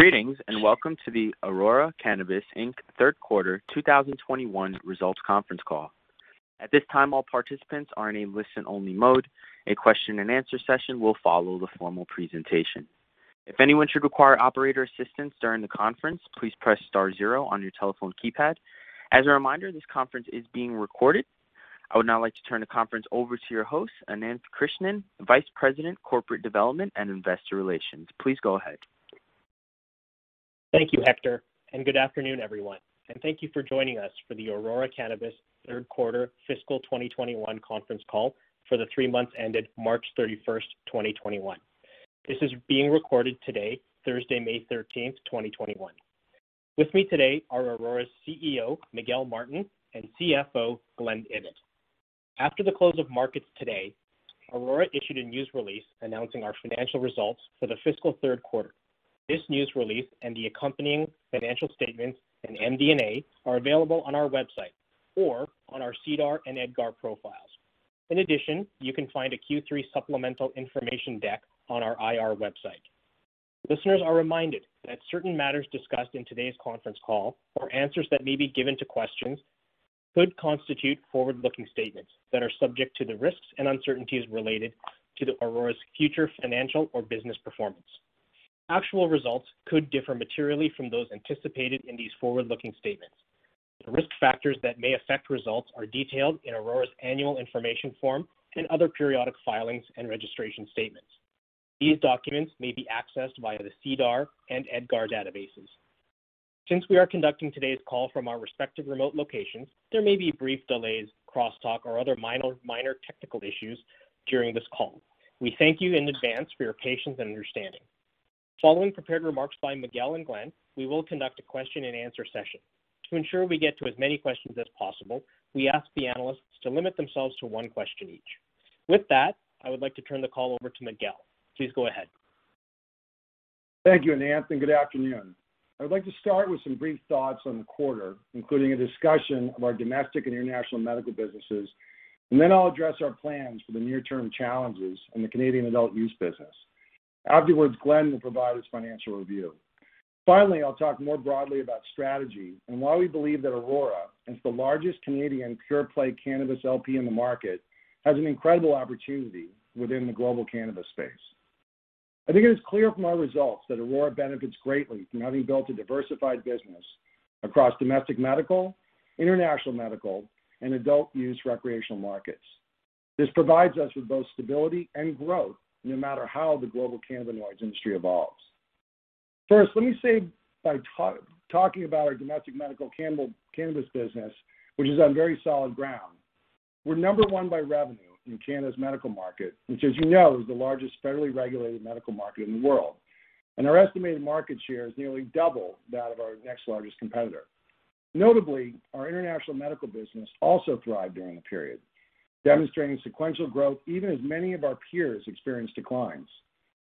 Greetings and welcome to the Aurora Cannabis Inc third quarter 2021 results conference call. At this time, all participants are in a listen only mode and question and answer session will follow the formal presentation. If anyone should require operator assistance during the conference, please press star zero on your telephone keypad. As a reminder, this conference is being recorded. I would now like to turn the conference over to your host, Ananth Krishnan, Vice President, Corporate Development and Investor Relations. Please go ahead. Thank you, Hector, and good afternoon, everyone, and thank you for joining us for the Aurora Cannabis Third Quarter Fiscal 2021 Conference Call for the three months ended March 31st, 2021. This is being recorded today, Thursday, May 13th, 2021. With me today are Aurora's CEO, Miguel Martin, and CFO, Glen Ibbott. After the close of markets today, Aurora issued a news release announcing our financial results for the fiscal third quarter. This news release and the accompanying financial statements and MD&A are available on our website or on our SEDAR and EDGAR profiles. In addition, you can find a Q3 supplemental information deck on our IR website. Listeners are reminded that certain matters discussed in today's conference call or answers that may be given to questions could constitute forward-looking statements that are subject to the risks and uncertainties related to the Aurora's future financial or business performance. Actual results could differ materially from those anticipated in these forward-looking statements. The risk factors that may affect results are detailed in Aurora's annual information form and other periodic filings and registration statements. These documents may be accessed via the SEDAR and EDGAR databases. Since we are conducting today's call from our respective remote locations, there may be brief delays, crosstalk, or other minor technical issues during this call. We thank you in advance for your patience and understanding. Following prepared remarks by Miguel and Glen, we will conduct a question and answer session. To ensure we get to as many questions as possible, we ask the analysts to limit themselves to one question each. With that, I would like to turn the call over to Miguel. Please go ahead. Thank you, Ananth, good afternoon. I would like to start with some brief thoughts on the quarter, including a discussion of our domestic and international medical businesses, and then I'll address our plans for the near-term challenges in the Canadian adult use business. Afterwards, Glen will provide his financial review. I'll talk more broadly about strategy and why we believe that Aurora, as the largest Canadian pure-play cannabis LP in the market, has an incredible opportunity within the global cannabis space. I think it is clear from our results that Aurora benefits greatly from having built a diversified business across domestic medical, international medical, and adult use recreational markets. This provides us with both stability and growth, no matter how the global cannabis industry evolves. Let me start by talking about our domestic medical cannabis business, which is on very solid ground. We're number one by revenue in Canada's medical market, which, as you know, is the largest federally regulated medical market in the world, and our estimated market share is nearly double that of our next largest competitor. Notably, our international medical business also thrived during the period, demonstrating sequential growth even as many of our peers experienced declines.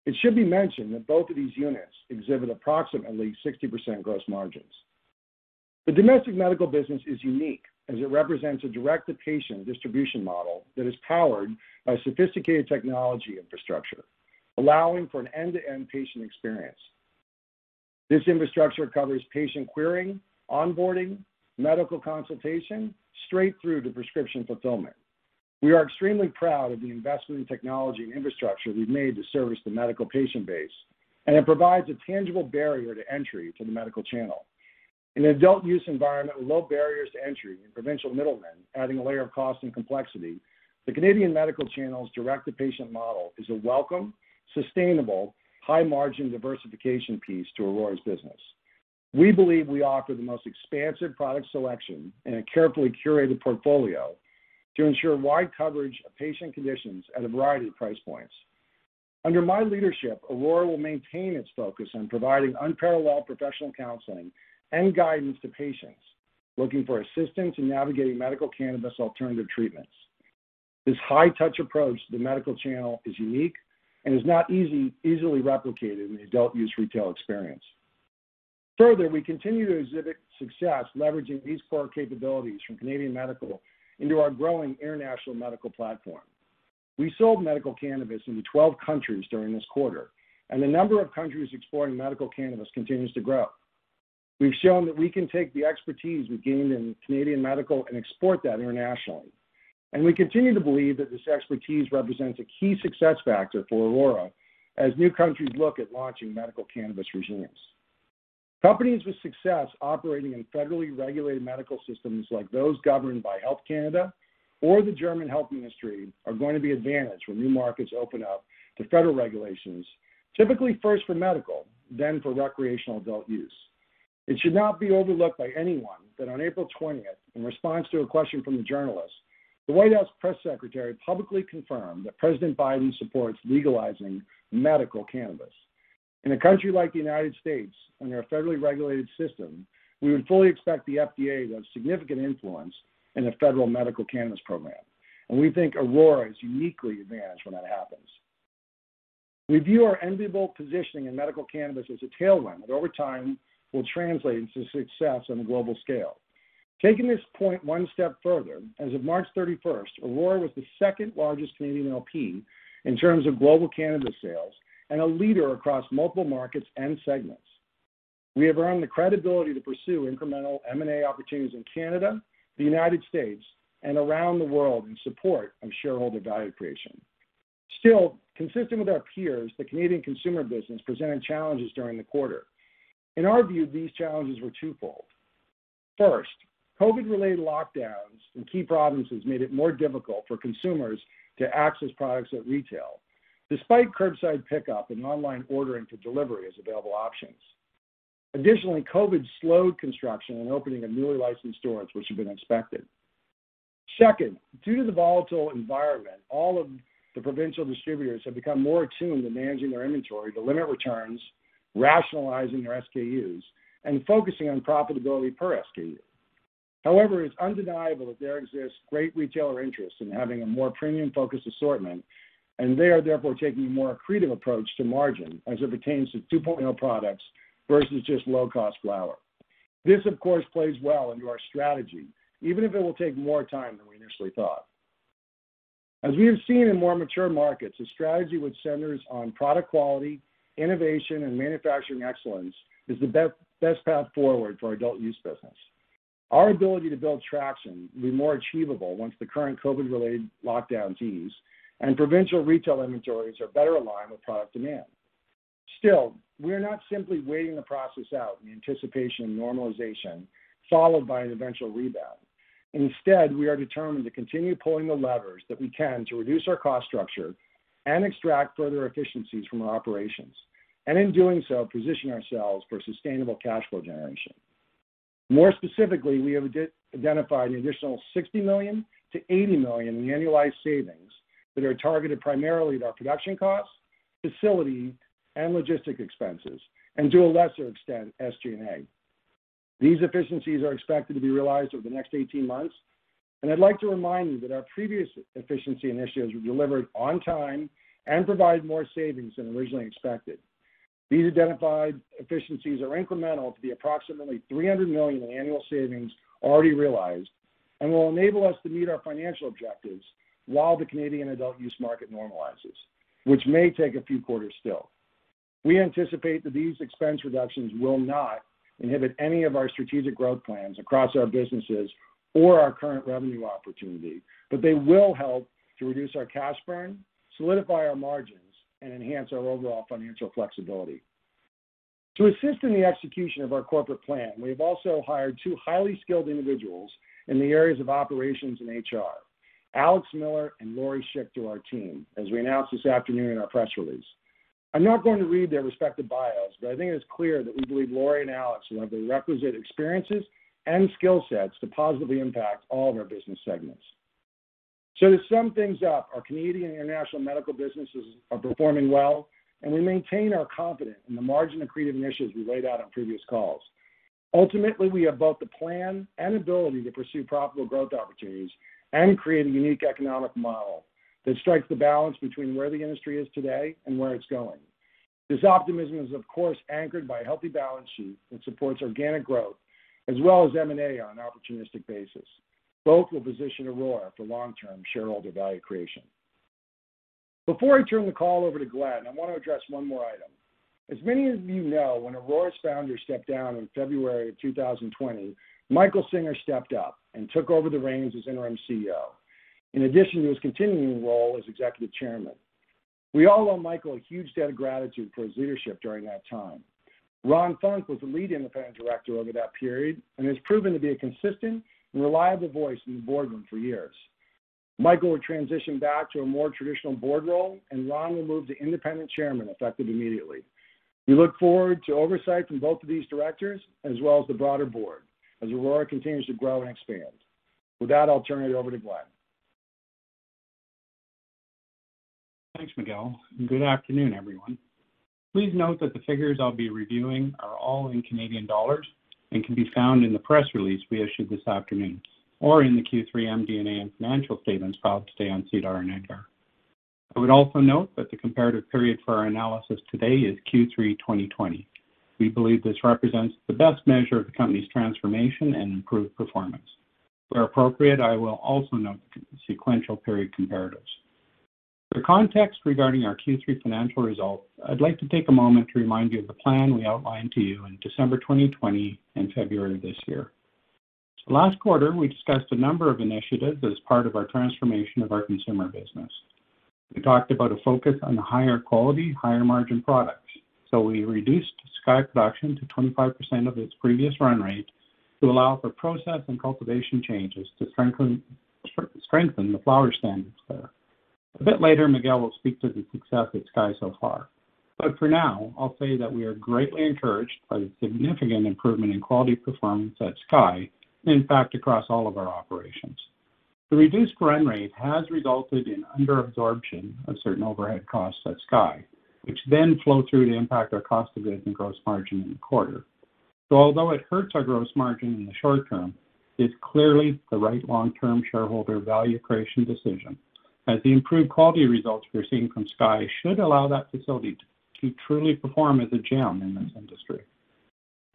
It should be mentioned that both of these units exhibit approximately 60% gross margins. The domestic medical business is unique, as it represents a direct-to-patient distribution model that is powered by sophisticated technology infrastructure, allowing for an end-to-end patient experience. This infrastructure covers patient querying, onboarding, medical consultation, straight through to prescription fulfillment. We are extremely proud of the investment in technology and infrastructure we've made to service the medical patient base, and it provides a tangible barrier to entry to the medical channel. In an adult use environment with low barriers to entry and provincial middlemen adding a layer of cost and complexity, the Canadian medical channel's direct-to-patient model is a welcome, sustainable, high-margin diversification piece to Aurora's business. We believe we offer the most expansive product selection and a carefully curated portfolio to ensure wide coverage of patient conditions at a variety of price points. Under my leadership, Aurora will maintain its focus on providing unparalleled professional counseling and guidance to patients looking for assistance in navigating medical cannabis alternative treatments. This high-touch approach to the medical channel is unique and is not easily replicated in the adult use retail experience. Further, we continue to exhibit success leveraging these core capabilities from Canadian medical into our growing international medical platform. We sold medical cannabis into 12 countries during this quarter, and the number of countries exploring medical cannabis continues to grow. We've shown that we can take the expertise we've gained in Canadian medical and export that internationally, and we continue to believe that this expertise represents a key success factor for Aurora as new countries look at launching medical cannabis regimes. Companies with success operating in federally regulated medical systems like those governed by Health Canada or the Federal Ministry of Health are going to be advantaged when new markets open up to federal regulations, typically first for medical, then for recreational adult use. It should not be overlooked by anyone that on April 20th, in response to a question from a journalist, the White House Press Secretary publicly confirmed that President Biden supports legalizing medical cannabis. In a country like the U.S., under a federally regulated system, we would fully expect the FDA to have significant influence in the federal medical cannabis program, and we think Aurora is uniquely advantaged when that happens. We view our enviable positioning in medical cannabis as a tailwind that over time will translate into success on a global scale. Taking this point one step further, as of March 31st, Aurora was the second largest Canadian LP in terms of global cannabis sales and a leader across multiple markets and segments. We have earned the credibility to pursue incremental M&A opportunities in Canada, the U.S., and around the world in support of shareholder value creation. Still, consistent with our peers, the Canadian consumer business presented challenges during the quarter. In our view, these challenges were twofold. First, COVID-related lockdowns in key provinces made it more difficult for consumers to access products at retail, despite curbside pickup and online ordering to delivery as available options. Additionally, COVID slowed construction and opening of newly licensed stores, which had been expected. Second, due to the volatile environment, all of the provincial distributors have become more attuned to managing their inventory to limit returns, rationalizing their SKUs, and focusing on profitability per SKU. However, it's undeniable that there exists great retailer interest in having a more premium-focused assortment, and they are therefore taking a more accretive approach to margin as it pertains to 2.0 products versus just low-cost flower. This, of course, plays well into our strategy, even if it will take more time than we initially thought. As we have seen in more mature markets, a strategy which centers on product quality, innovation, and manufacturing excellence is the best path forward for our adult use business. Our ability to build traction will be more achievable once the current COVID-related lockdowns ease and provincial retail inventories are better aligned with product demand. We are not simply waiting the process out in the anticipation of normalization followed by an eventual rebound. We are determined to continue pulling the levers that we can to reduce our cost structure and extract further efficiencies from our operations, and in doing so, position ourselves for sustainable cash flow generation. We have identified an additional 60 million-80 million in annualized savings that are targeted primarily at our production costs, facility, and logistic expenses, and to a lesser extent, SG&A. These efficiencies are expected to be realized over the next 18 months, and I'd like to remind you that our previous efficiency initiatives were delivered on time and provide more savings than originally expected. These identified efficiencies are incremental to the approximately 300 million in annual savings already realized and will enable us to meet our financial objectives while the Canadian adult-use market normalizes, which may take a few quarters still. We anticipate that these expense reductions will not inhibit any of our strategic growth plans across our businesses or our current revenue opportunity, but they will help to reduce our cash burn, solidify our margins, and enhance our overall financial flexibility. To assist in the execution of our corporate plan, we have also hired two highly skilled individuals in the areas of operations and HR, Alex Miller and Lori Schick, to our team, as we announced this afternoon in our press release. I'm not going to read their respective bios, but I think it is clear that we believe Lori and Alex will have the requisite experiences and skill sets to positively impact all of our business segments. To sum things up, our Canadian and international medical businesses are performing well, and we maintain our confidence in the margin-accretive initiatives we laid out on previous calls. Ultimately, we have both the plan and ability to pursue profitable growth opportunities and create a unique economic model that strikes the balance between where the industry is today and where it's going. This optimism is of course anchored by a healthy balance sheet that supports organic growth as well as M&A on an opportunistic basis. Both will position Aurora for long-term shareholder value creation. Before I turn the call over to Glen, I want to address one more item. As many of you know, when Aurora's founder stepped down in February of 2020, Michael Singer stepped up and took over the reins as Interim CEO, in addition to his continuing role as Executive Chairman. We all owe Michael a huge debt of gratitude for his leadership during that time. Ronald F. Funk was the Lead Independent Director over that period and has proven to be a consistent and reliable voice in the boardroom for years. Michael will transition back to a more traditional board role, and Ronald will move to Independent Chairman, effective immediately. We look forward to oversight from both of these directors, as well as the broader board as Aurora continues to grow and expand. With that, I'll turn it over to Glen. Thanks, Miguel. Good afternoon, everyone. Please note that the figures I'll be reviewing are all in Canadian dollars and can be found in the press release we issued this afternoon, or in the Q3 MD&A and financial statements filed today on SEDAR and EDGAR. I would also note that the comparative period for our analysis today is Q3 2020. We believe this represents the best measure of the company's transformation and improved performance. Where appropriate, I will also note the sequential period comparatives. For context regarding our Q3 financial results, I'd like to take a moment to remind you of the plan we outlined to you in December 2020 and February this year. Last quarter, we discussed a number of initiatives as part of our transformation of our consumer business. We talked about a focus on higher quality, higher margin products. We reduced Aurora Sky production to 25% of its previous run rate to allow for process and cultivation changes to strengthen the flower standards there. A bit later, Miguel will speak to the success at Sky so far. For now, I'll say that we are greatly encouraged by the significant improvement in quality performance at Sky, and in fact, across all of our operations. The reduced run rate has resulted in under-absorption of certain overhead costs at Sky, which then flow through to impact our cost of goods and gross margin in the quarter. Although it hurts our gross margin in the short term, it's clearly the right long-term shareholder value creation decision. As the improved quality results we're seeing from Sky should allow that facility to truly perform as a gem in this industry.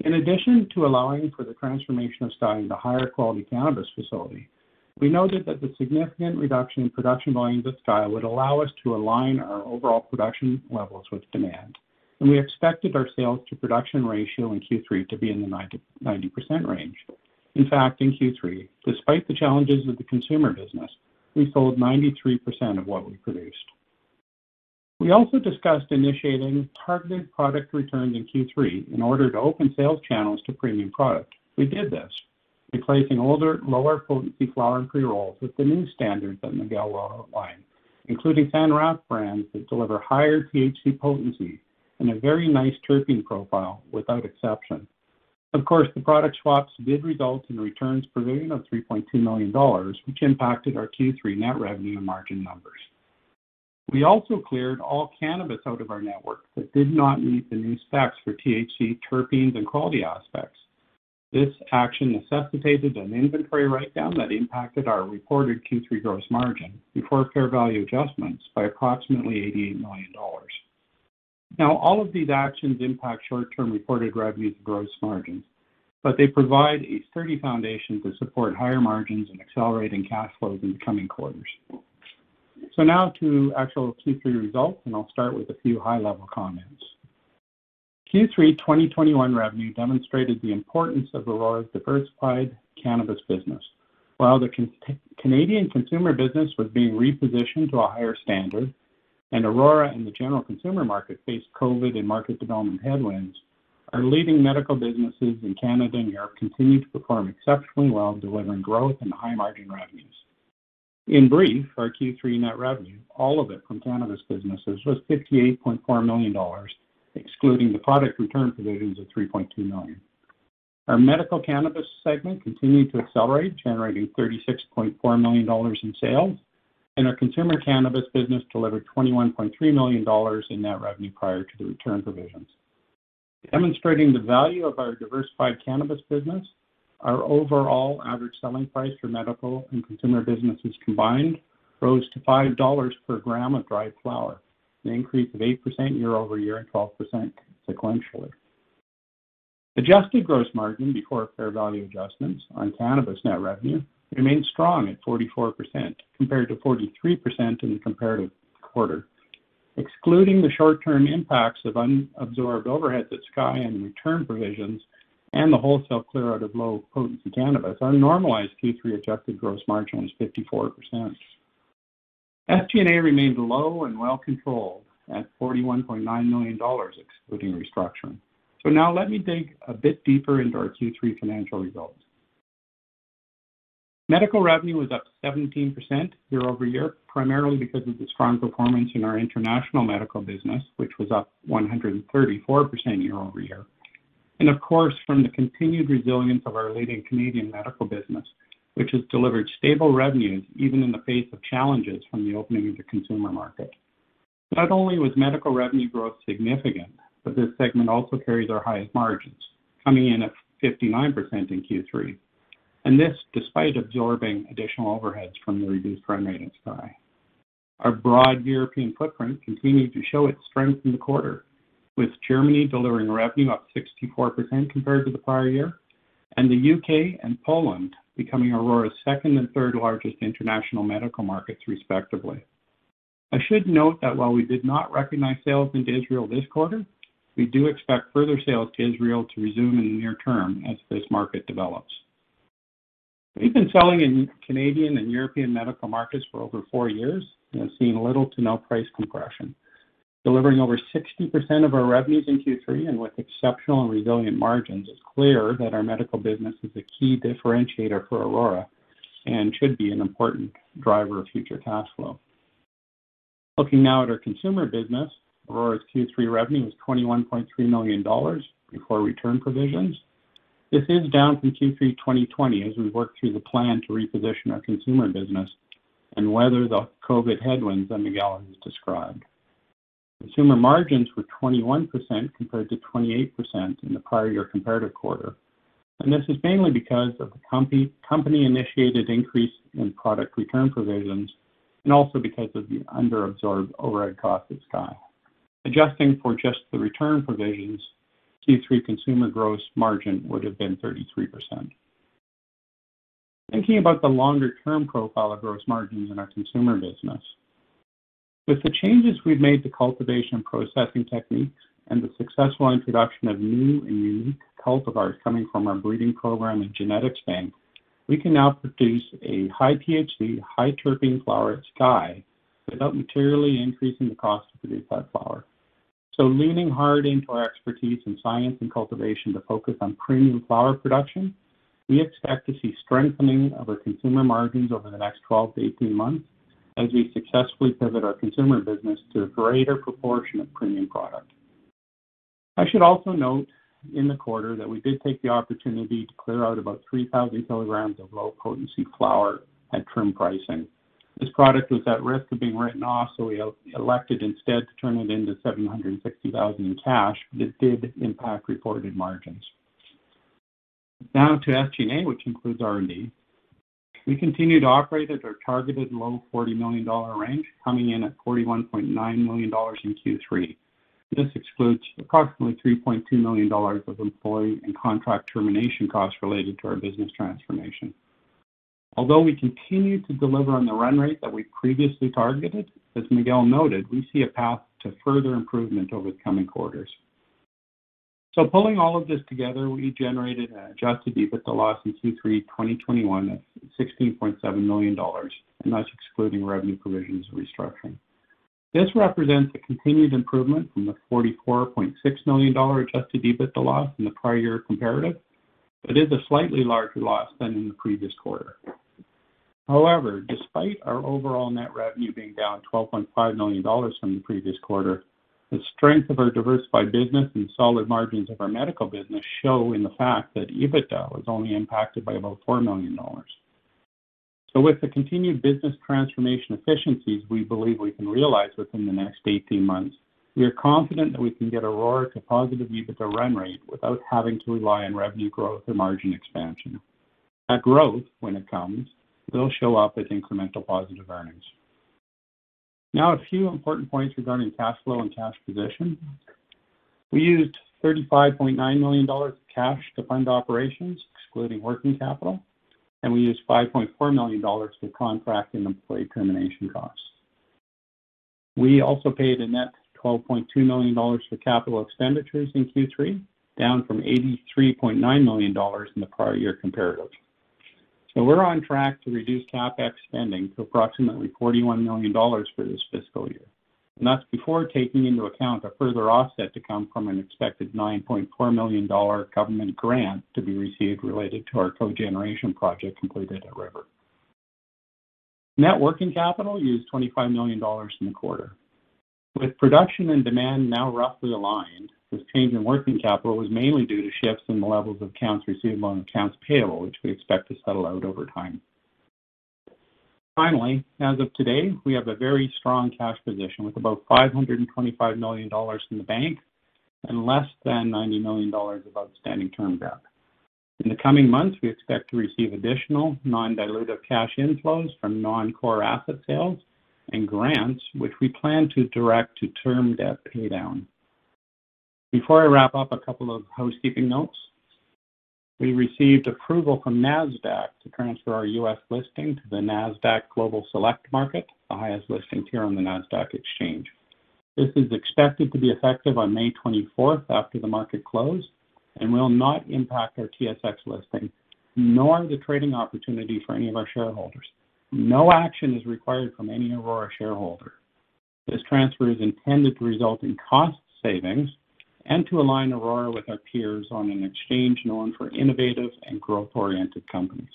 In addition to allowing for the transformation of Sky into a higher quality cannabis facility, we noted that the significant reduction in production volumes at Sky would allow us to align our overall production levels with demand, and we expected our sales to production ratio in Q3 to be in the 90% range. In fact, in Q3, despite the challenges of the consumer business, we sold 93% of what we produced. We also discussed initiating targeted product returns in Q3 in order to open sales channels to premium product. We did this, replacing older, lower potency flower and pre-rolls with the new standards of the Aurora line, including San Rafael '71 brands that deliver higher THC potency and a very nice terpene profile without exception. Of course, the product swaps did result in returns provision of 3.2 million dollars, which impacted our Q3 net revenue and margin numbers. We also cleared all cannabis out of our network that did not meet the new specs for THC, terpenes, and quality aspects. This action necessitated an inventory write-down that impacted our reported Q3 gross margin before fair value adjustments by approximately 88 million dollars. All of these actions impact short-term reported revenues and gross margins, but they provide a sturdy foundation to support higher margins and accelerating cash flows in the coming quarters. Now to actual Q3 results, and I'll start with a few high-level comments. Q3 2021 revenue demonstrated the importance of Aurora's diversified cannabis business. While the Canadian consumer business was being repositioned to a higher standard and Aurora and the general consumer market faced COVID and market development headwinds, our leading medical businesses in Canada and Europe continued to perform exceptionally well, delivering growth and high margin revenues. In brief, our Q3 net revenue, all of it from cannabis businesses, was 58.4 million dollars, excluding the product return provisions of 3.2 million. Our medical cannabis segment continued to accelerate, generating 36.4 million dollars in sales, and our consumer cannabis business delivered 21.3 million dollars in net revenue prior to the return provisions. Demonstrating the value of our diversified cannabis business, our overall average selling price for medical and consumer businesses combined rose to 5 dollars per gram of dried flower, an increase of 8% year-over-year and 12% sequentially. Adjusted gross margin before fair value adjustments on cannabis net revenue remained strong at 44%, compared to 43% in the comparative quarter. Excluding the short-term impacts of unabsorbed overheads at Aurora Sky and return provisions and the wholesale clear-out of low-potency cannabis, our normalized Q3 adjusted gross margin was 54%. SG&A remained low and well controlled at 41.9 million dollars, excluding restructuring. Now let me dig a bit deeper into our Q3 financial results. Medical revenue was up 17% year-over-year, primarily because of the strong performance in our international medical business, which was up 134% year-over-year, and of course, from the continued resilience of our leading Canadian medical business, which has delivered stable revenues even in the face of challenges from the opening of the consumer market. Not only was medical revenue growth significant, but this segment also carries our highest margins, coming in at 59% in Q3. This, despite absorbing additional overheads from the reduced run rate at Sky. Our broad European footprint continued to show its strength in the quarter, with Germany delivering revenue up 64% compared to the prior year, and the U.K. and Poland becoming Aurora's second and third largest international medical markets, respectively. I should note that while we did not recognize sales into Israel this quarter, we do expect further sales to Israel to resume in the near term as this market develops. We've been selling in Canadian and European medical markets for over four years and have seen little to no price compression. Delivering over 60% of our revenues in Q3 and with exceptional and resilient margins, it's clear that our medical business is a key differentiator for Aurora and should be an important driver of future cash flow. Looking now at our consumer business, Aurora's Q3 revenue was 21.3 million dollars before return provisions. This is down from Q3 2020 as we worked through the plan to reposition our consumer business and weather the COVID headwinds that Miguel has described. Consumer margins were 21% compared to 28% in the prior year comparative quarter, and this is mainly because of the company-initiated increase in product return provisions and also because of the under-absorbed overhead costs at Sky. Adjusting for just the return provisions, Q3 consumer gross margin would have been 33%. Thinking about the longer-term profile of gross margins in our consumer business, with the changes we've made to cultivation and processing techniques and the successful introduction of new and unique cultivars coming from our breeding program and genetics bank, we can now produce a high THC, high terpene flower at Sky without materially increasing the cost to produce that flower. Leaning hard into our expertise in science and cultivation to focus on premium flower production, we expect to see strengthening of our consumer margins over the next 12-18 months as we successfully pivot our consumer business to a greater proportion of premium product. I should also note in the quarter that we did take the opportunity to clear out about 3,000 kg of low-potency flower at trim pricing. This product was at risk of being written off, so we elected instead to turn it into 760,000 in cash, but it did impact reported margins. Now to SG&A, which includes R&D. We continue to operate at our targeted low 40 million dollar range, coming in at 41.9 million dollars in Q3. This excludes approximately 3.2 million dollars of employee and contract termination costs related to our business transformation. Although we continue to deliver on the run rate that we previously targeted, as Miguel noted, we see a path to further improvement over the coming quarters. Pulling all of this together, we generated an adjusted EBITDA loss in Q3 2021 of 16.7 million dollars, and that's excluding revenue provisions restructuring. This represents a continued improvement from the 44.6 million dollar adjusted EBITDA loss in the prior year comparative. It is a slightly larger loss than in the previous quarter. Despite our overall net revenue being down 12.5 million dollars from the previous quarter, the strength of our diversified business and solid margins of our medical business show in the fact that EBITDA was only impacted by about 4 million dollars. With the continued business transformation efficiencies we believe we can realize within the next 18 months, we are confident that we can get Aurora to positive EBITDA run rate without having to rely on revenue growth or margin expansion. That growth, when it comes, will show up as incremental positive earnings. Now, a few important points regarding cash flow and cash position. We used 35.9 million dollars of cash to fund operations, excluding working capital, and we used 5.4 million dollars for contract and employee termination costs. We also paid a net 12.2 million dollars for capital expenditures in Q3, down from 83.9 million dollars in the prior year comparative. We're on track to reduce CapEx spending to approximately 41 million dollars for this fiscal year, and that's before taking into account a further offset to come from an expected 9.4 million dollar government grant to be received related to our cogeneration project completed at River. Net working capital used 25 million dollars in the quarter. With production and demand now roughly aligned, this change in working capital was mainly due to shifts in the levels of accounts receivable and accounts payable, which we expect to settle out over time. Finally, as of today, we have a very strong cash position, with about 525 million dollars in the bank and less than 90 million dollars of outstanding term debt. In the coming months, we expect to receive additional non-dilutive cash inflows from non-core asset sales and grants, which we plan to direct to term debt paydown. Before I wrap up, a couple of housekeeping notes. We received approval from Nasdaq to transfer our U.S. listing to the Nasdaq Global Select Market, the highest listing tier on the Nasdaq exchange. This is expected to be effective on May 24th after the market close and will not impact our TSX listing, nor the trading opportunity for any of our shareholders. No action is required from any Aurora shareholder. This transfer is intended to result in cost savings and to align Aurora with our peers on an exchange known for innovative and growth-oriented companies.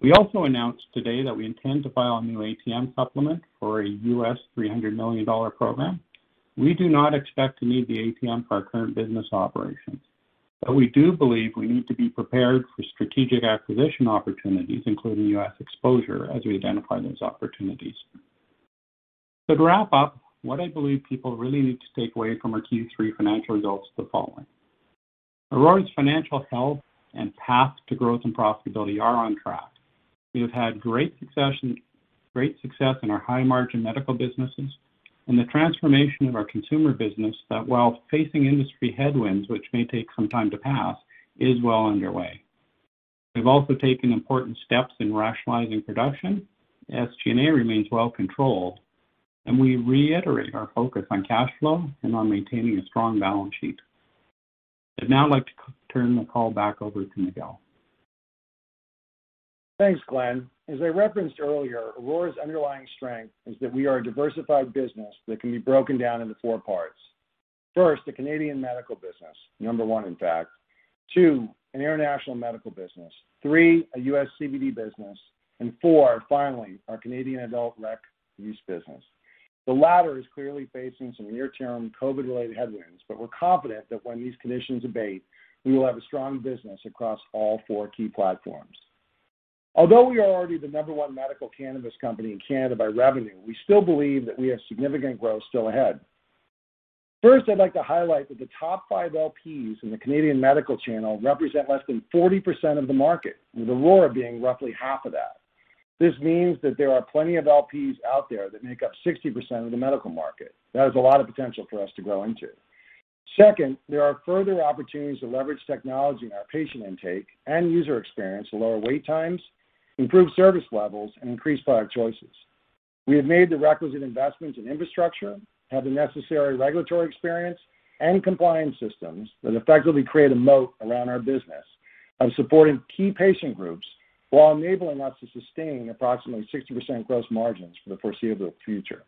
We also announced today that we intend to file a new ATM supplement for a $300 million program. We do not expect to need the ATM for our current business operations, but we do believe we need to be prepared for strategic acquisition opportunities, including U.S. exposure, as we identify those opportunities. To wrap up, what I believe people really need to take away from our Q3 financial results are the following. Aurora's financial health and path to growth and profitability are on track. We have had great success in our high-margin medical businesses and the transformation of our consumer business that, while facing industry headwinds which may take some time to pass, is well underway. We've also taken important steps in rationalizing production. SG&A remains well controlled, and we reiterate our focus on cash flow and on maintaining a strong balance sheet. I'd now like to turn the call back over to Miguel. Thanks, Glen. As I referenced earlier, Aurora's underlying strength is that we are a diversified business that can be broken down into four parts. First, the Canadian medical business, number one, in fact. Two, an international medical business. Three, a U.S. CBD business. Four, finally, our Canadian adult rec use business. The latter is clearly facing some near-term COVID-related headwinds, but we're confident that when these conditions abate, we will have a strong business across all four key platforms. Although we are already the number one medical cannabis company in Canada by revenue, we still believe that we have significant growth still ahead. First, I'd like to highlight that the top five LPs in the Canadian medical channel represent less than 40% of the market, with Aurora being roughly half of that. This means that there are plenty of LPs out there that make up 60% of the medical market. That is a lot of potential for us to grow into. Second, there are further opportunities to leverage technology in our patient intake and user experience to lower wait times, improve service levels, and increase product choices. We have made the requisite investments in infrastructure, have the necessary regulatory experience, and compliance systems that effectively create a moat around our business of supporting key patient groups while enabling us to sustain approximately 60% gross margins for the foreseeable future.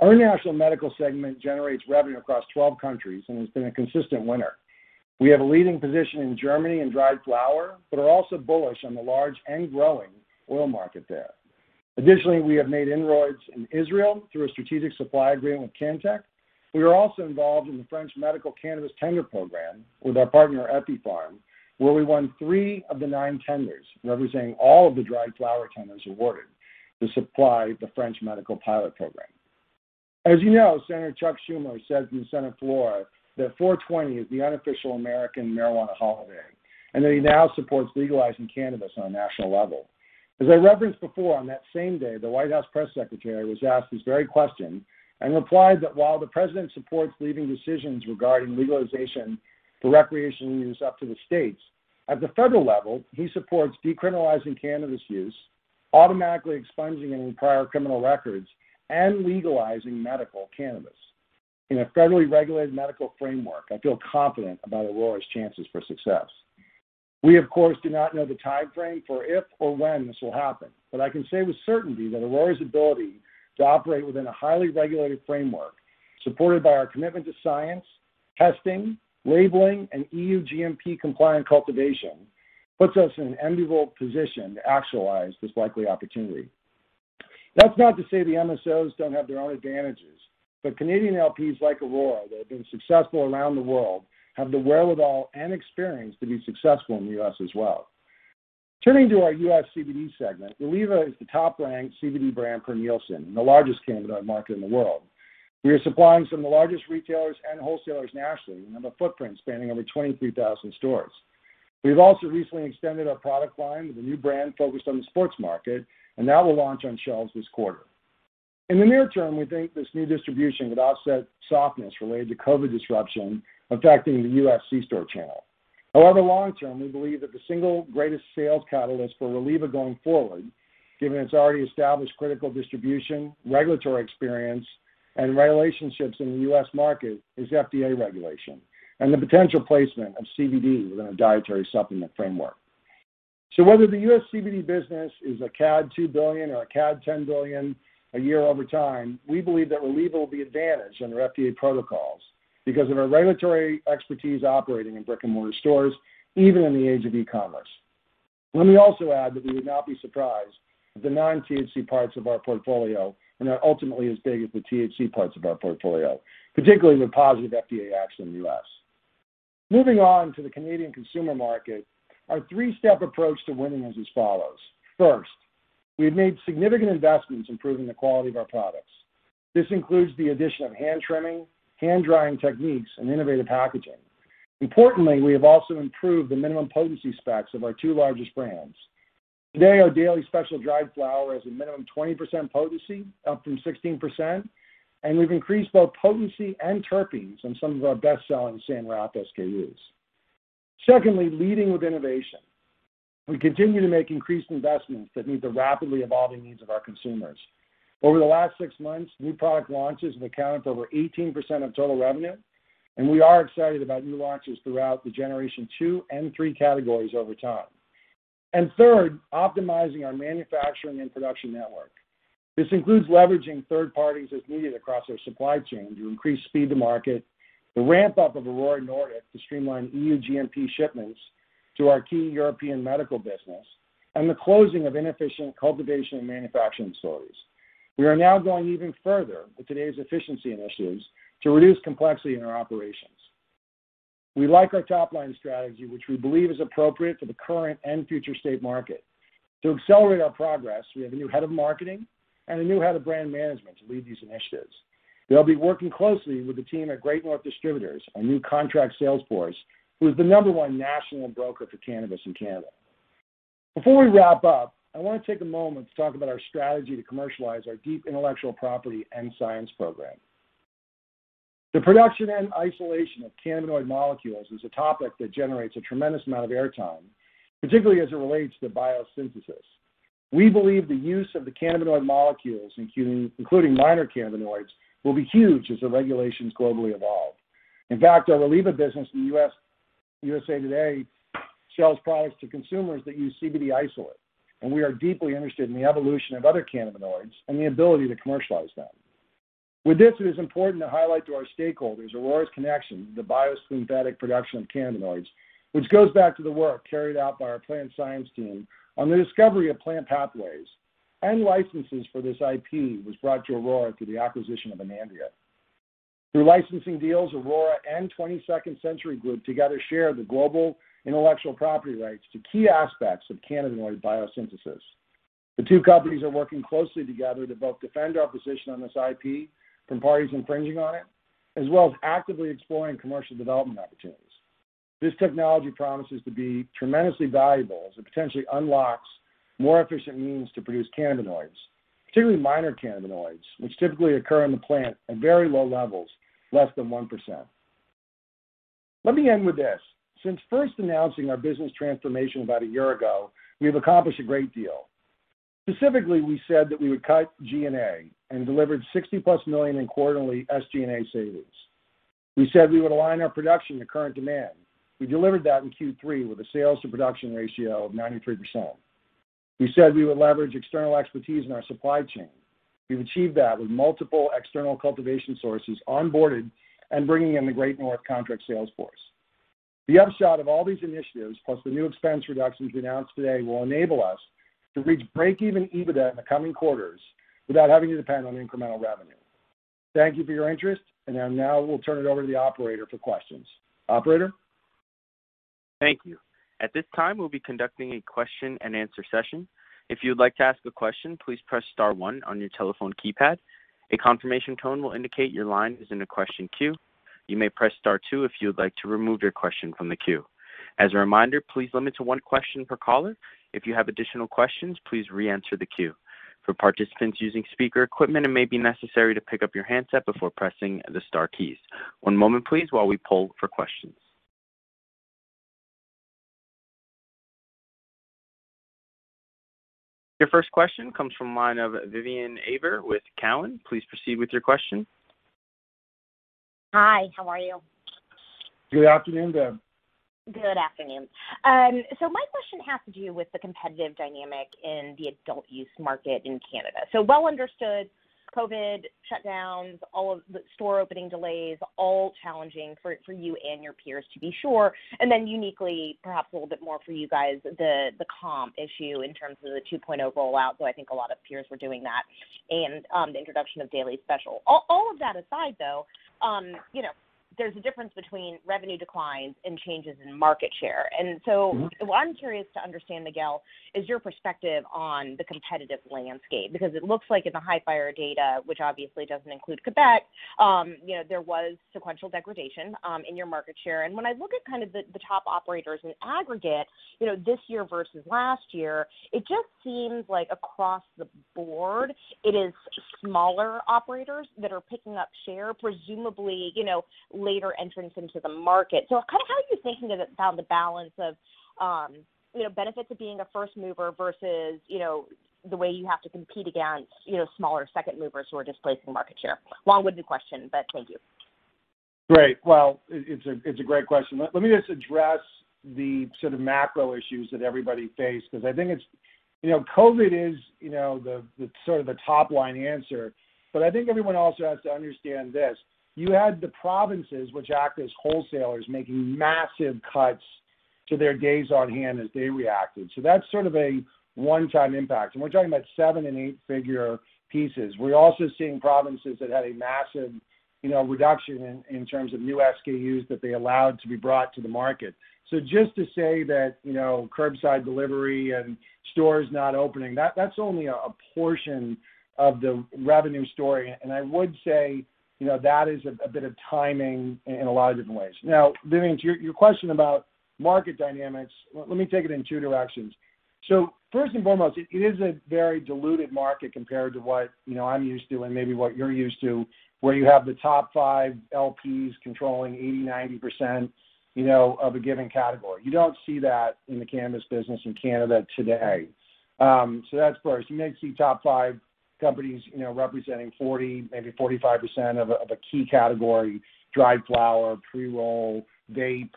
Our international medical segment generates revenue across 12 countries and has been a consistent winner. We have a leading position in Germany in dried flower, but are also bullish on the large and growing oil market there. Additionally, we have made inroads in Israel through a strategic supply agreement with Cantek. We are also involved in the French medical cannabis tender program with our partner, Ethypharm, where we won three of the nine tenders, representing all of the dried flower tenders awarded to supply the French medical pilot program. As you know, Senator Chuck Schumer said on the Senate floor that 4/20 is the unofficial American marijuana holiday, and that he now supports legalizing cannabis on a national level. As I referenced before, on that same day, the White House press secretary was asked this very question and replied that while the president supports leaving decisions regarding legalization for recreational use up to the states, at the federal level, he supports decriminalizing cannabis use, automatically expunging any prior criminal records, and legalizing medical cannabis. In a federally regulated medical framework, I feel confident about Aurora's chances for success. We, of course, do not know the timeframe for if or when this will happen, but I can say with certainty that Aurora's ability to operate within a highly regulated framework, supported by our commitment to science, testing, labeling, and EU GMP-compliant cultivation, puts us in an enviable position to actualize this likely opportunity. MSOs don't have their own advantages, but Canadian LPs like Aurora that have been successful around the world have the wherewithal and experience to be successful in the U.S. as well. Turning to our U.S. CBD segment, Reliva is the top-ranked CBD brand per Nielsen, in the largest cannabis market in the world. We are supplying some of the largest retailers and wholesalers nationally and have a footprint spanning over 23,000 stores. We have also recently extended our product line with a new brand focused on the sports market, and that will launch on shelves this quarter. In the near term, we think this new distribution would offset softness related to COVID disruption affecting the U.S. C-store channel. However, long term, we believe that the single greatest sales catalyst for Reliva going forward, given its already established critical distribution, regulatory experience, and relationships in the U.S. market, is FDA regulation, and the potential placement of CBD within a dietary supplement framework. Whether the U.S. CBD business is a CAD 2 billion or a CAD 10 billion a year over time, we believe that Reliva will be advantaged under FDA protocols because of our regulatory expertise operating in brick-and-mortar stores, even in the age of e-commerce. Let me also add that we would not be surprised if the non-THC parts of our portfolio end up ultimately as big as the THC parts of our portfolio, particularly with positive FDA action in the U.S. Moving on to the Canadian consumer market, our three-step approach to winning is as follows. First, we have made significant investments improving the quality of our products. This includes the addition of hand-trimming, hang-drying techniques, and innovative packaging. Importantly, we have also improved the minimum potency specs of our two largest brands. Today, our Daily Special dried flower has a minimum 20% potency, up from 16%, and we've increased both potency and terpenes on some of our best-selling San Rafael '71 SKUs. Secondly, leading with innovation. We continue to make increased investments that meet the rapidly evolving needs of our consumers. Over the last six months, new product launches have accounted for over 18% of total revenue, and we are excited about new launches throughout the generation 2 and 3 categories over time. Third, optimizing our manufacturing and production network. This includes leveraging third parties as needed across our supply chain to increase speed to market, the ramp-up of Aurora Nordic to streamline EU GMP shipments to our key European medical business, and the closing of inefficient cultivation and manufacturing stores. We are now going even further with today's efficiency initiatives to reduce complexity in our operations. We like our top-line strategy, which we believe is appropriate for the current and future state market. To accelerate our progress, we have a new head of marketing and a new head of brand management to lead these initiatives. They'll be working closely with the team at Great North Distributors, our new contract sales force, who is the number one national broker for cannabis in Canada. Before we wrap up, I want to take a moment to talk about our strategy to commercialize our deep intellectual property and science program. The production and isolation of cannabinoid molecules is a topic that generates a tremendous amount of airtime, particularly as it relates to biosynthesis. We believe the use of the cannabinoid molecules, including minor cannabinoids, will be huge as the regulations globally evolve. In fact, our Reliva business in the U.S.A. today sells products to consumers that use CBD isolate, and we are deeply interested in the evolution of other cannabinoids and the ability to commercialize them. With this, it is important to highlight to our stakeholders Aurora's connection to the biosynthetic production of cannabinoids, which goes back to the work carried out by our plant science team on the discovery of plant pathways. In-licenses for this IP was brought to Aurora through the acquisition of Anandia Laboratories. Through licensing deals, Aurora and 22nd Century Group together share the global intellectual property rights to key aspects of cannabinoid biosynthesis. The two companies are working closely together to both defend our position on this IP from parties infringing on it, as well as actively exploring commercial development opportunities. This technology promises to be tremendously valuable as it potentially unlocks more efficient means to produce cannabinoids, particularly minor cannabinoids, which typically occur in the plant at very low levels, less than 1%. Let me end with this. Since first announcing our business transformation about a year ago, we have accomplished a great deal. Specifically, we said that we would cut G&A, and delivered 60+ million in quarterly SG&A savings. We said we would align our production to current demand. We delivered that in Q3 with a sales to production ratio of 93%. We said we would leverage external expertise in our supply chain. We've achieved that with multiple external cultivation sources onboarded and bringing in the Great North contract sales force. The upshot of all these initiatives, plus the new expense reductions we announced today, will enable us to reach break-even EBITDA in the coming quarters without having to depend on incremental revenue. Thank you for your interest, and I now will turn it over to the operator for questions. Operator? Thank you. At this time, we'll be conducting a question and answer session. If you'd like to ask a question, please press star one on your telephone keypad. A confirmation tone will indicate your line is in the question queue. You may press star two if you would like to remove your question from the queue. As a reminder, please limit to one question per caller. If you have additional questions, please re-enter the queue. For participants using speaker equipment, it may be necessary to pick up your handset before pressing the star keys. One moment please while we poll for questions. Your first question comes from the line of Vivien Azer with Cowen. Please proceed with your question. Hi, how are you? Good afternoon, Vivien. Good afternoon. My question has to do with the competitive dynamic in the adult use market in Canada. Well understood, COVID shutdowns, all of the store opening delays, all challenging for you and your peers to be sure. Uniquely, perhaps a little bit more for you guys, the comp issue in terms of the 2.0 rollout, though I think a lot of peers were doing that, and the introduction of Daily Special. All of that aside, though, there's a difference between revenue declines and changes in market share. What I am curious to understand, Miguel, is your perspective on the competitive landscape, because it looks like in the Hifyre data, which obviously doesn't include Quebec, there was sequential degradation in your market share. When I look at the top operators in aggregate this year versus last year, it just seems like across the board it is smaller operators that are picking up share, presumably later entrants into the market. How are you thinking about the balance of benefits of being a first mover versus the way you have to compete against smaller second movers who are displacing market share? Long-winded question, but thank you. Great. Well, it's a great question. Let me just address the sort of macro issues that everybody faced, because I think COVID is the sort of top-line answer, but I think everyone also has to understand this. You had the provinces, which act as wholesalers, making massive cuts to their days on hand as they reacted. That's sort of a one-time impact, and we're talking about seven and eight-figure pieces. We're also seeing provinces that had a massive reduction in terms of new SKUs that they allowed to be brought to the market. Just to say that curbside delivery and stores not opening, that's only a portion of the revenue story, and I would say that is a bit of timing in a lot of different ways. Vivien, to your question about market dynamics, let me take it in two directions. First and foremost, it is a very diluted market compared to what I'm used to and maybe what you're used to, where you have the top five LPs controlling 80%, 90% of a given category. You don't see that in the cannabis business in Canada today. That's first. You may see top five companies representing 40%, maybe 45% of a key category, dried flower, pre-roll, vape,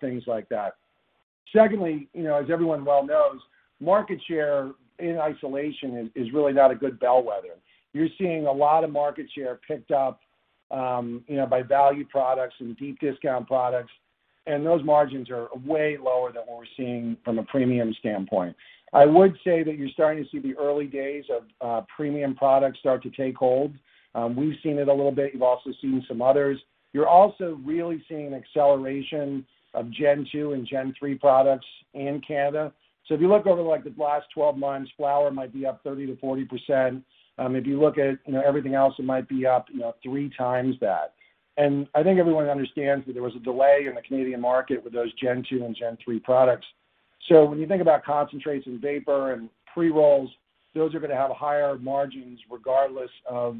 things like that. Secondly, as everyone well knows, market share in isolation is really not a good bellwether. You're seeing a lot of market share picked up by value products and deep discount products, and those margins are way lower than what we're seeing from a premium standpoint. I would say that you're starting to see the early days of premium products start to take hold. We've seen it a little bit. You've also seen some others. You're also really seeing an acceleration of gen 2 and gen 3 products in Canada. If you look over the last 12 months, flower might be up 30%-40%. If you look at everything else, it might be up 3x that. I think everyone understands that there was a delay in the Canadian market with those gen 2 and gen 3 products. When you think about concentrates and vapor and pre-rolls, those are going to have higher margins regardless of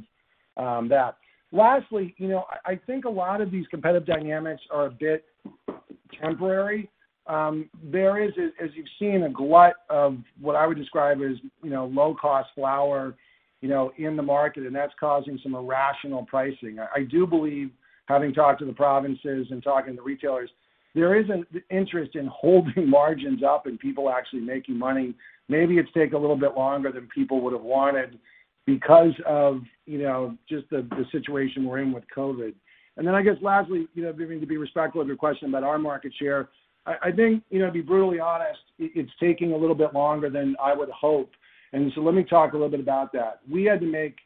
that. Lastly, I think a lot of these competitive dynamics are a bit temporary. There is, as you've seen, a glut of what I would describe as low-cost flower in the market, and that's causing some irrational pricing. I do believe, having talked to the provinces and talking to retailers, there is an interest in holding margins up and people actually making money. Maybe it's taken a little bit longer than people would have wanted because of just the situation we're in with COVID. Then I guess lastly, Vivien, to be respectful of your question about our market share, I think, to be brutally honest, it's taking a little bit longer than I would hope, let me talk a little bit about that. We had to make,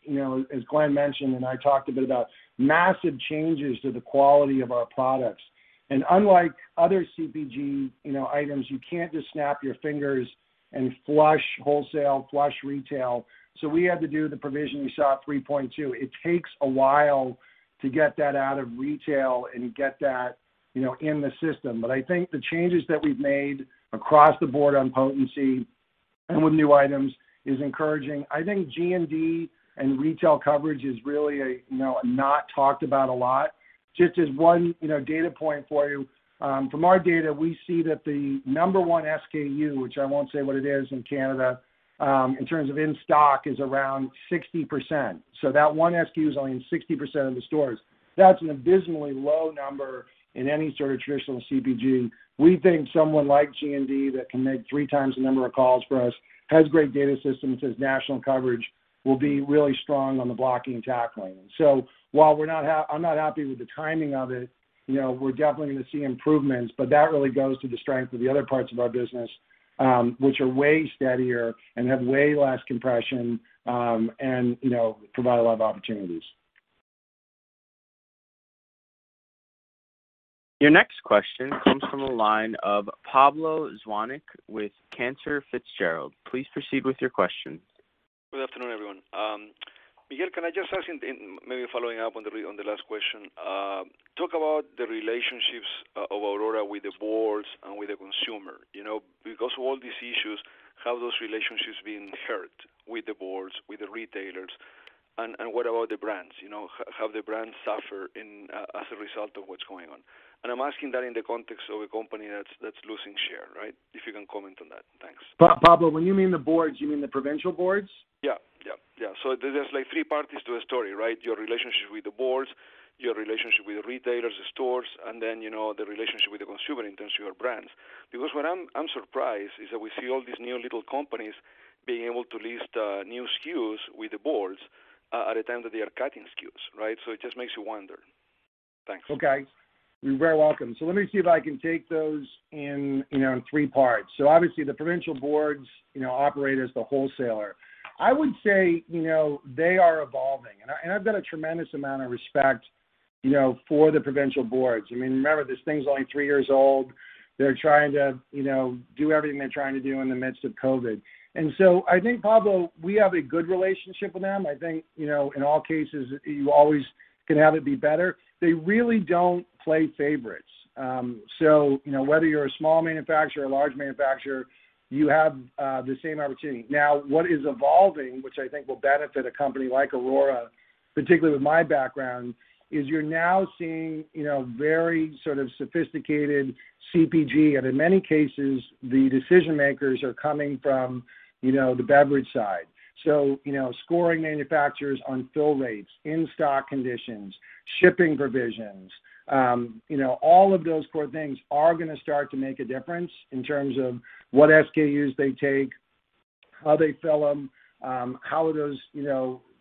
as Glen mentioned, and I talked a bit about, massive changes to the quality of our products. Unlike other CPG items, you can't just snap your fingers and flush wholesale, flush retail. We had to do the provision we saw at 3.2. It takes a while to get that out of retail and get that in the system. I think the changes that we've made across the board on potency and with new items is encouraging. I think GND and retail coverage is really not talked about a lot. Just as one data point for you, from our data, we see that the number one SKU, which I won't say what it is in Canada, in terms of in-stock, is around 60%. That one SKU is only in 60% of the stores. That's an abysmally low number in any sort of traditional CPG. We think someone like GND that can make 3x the number of calls for us, has great data systems, has national coverage, will be really strong on the blocking and tackling. While I'm not happy with the timing of it, we're definitely going to see improvements. That really goes to the strength of the other parts of our business, which are way steadier and have way less compression, and provide a lot of opportunities. Your next question comes from the line of Pablo Zuanic with Cantor Fitzgerald. Please proceed with your questions. Good afternoon, everyone. Miguel, can I just ask maybe following up on the last question, talk about the relationships of Aurora with the boards and with the consumer. Because of all these issues, have those relationships been hurt with the boards, with the retailers? What about the brands? Have the brands suffered as a result of what's going on? I'm asking that in the context of a company that's losing share, right? If you can comment on that. Thanks. Pablo, when you mean the boards, you mean the provincial boards? There's like three parties to a story, right? Your relationship with the boards, your relationship with the retailers, the stores, and then the relationship with the consumer in terms of your brands. What I'm surprised is that we see all these new little companies being able to list new SKUs with the boards at a time that they are cutting SKUs, right? It just makes you wonder. Thanks. Okay. You're very welcome. Let me see if I can take those in three parts. Obviously the provincial boards operate as the wholesaler. I would say, they are evolving. I've got a tremendous amount of respect for the provincial boards. I mean, remember, this thing's only three years old. They're trying to do everything they're trying to do in the midst of COVID. I think, Pablo, we have a good relationship with them. I think, in all cases, you always can have it be better. They really don't play favorites. Whether you're a small manufacturer or large manufacturer, you have the same opportunity. What is evolving, which I think will benefit a company like Aurora, particularly with my background, is you're now seeing very sort of sophisticated CPG, and in many cases, the decision-makers are coming from the beverage side. Scoring manufacturers on fill rates, in-stock conditions, shipping provisions, all of those core things are going to start to make a difference in terms of what SKUs they take, how they fill them, how those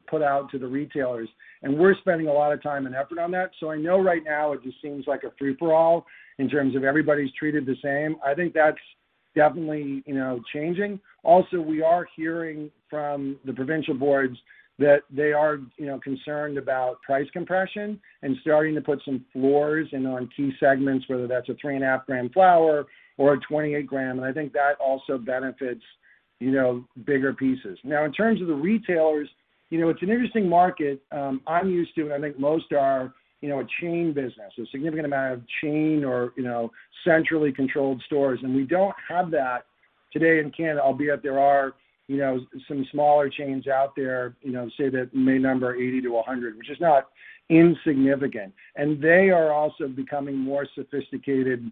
put out to the retailers. We're spending a lot of time and effort on that. I know right now it just seems like a free-for-all in terms of everybody's treated the same. I think that's definitely changing. We are hearing from the provincial boards that they are concerned about price compression and starting to put some floors in on key segments, whether that's a 3.5 gram flower or a 28 gram. I think that also benefits bigger pieces. In terms of the retailers, it's an interesting market. I'm used to, and I think most are, a chain business, a significant amount of chain or centrally controlled stores, and we don't have that today in Canada, albeit there are some smaller chains out there, say that may number 80-100, which is not insignificant. They are also becoming more sophisticated,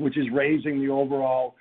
which is raising the overall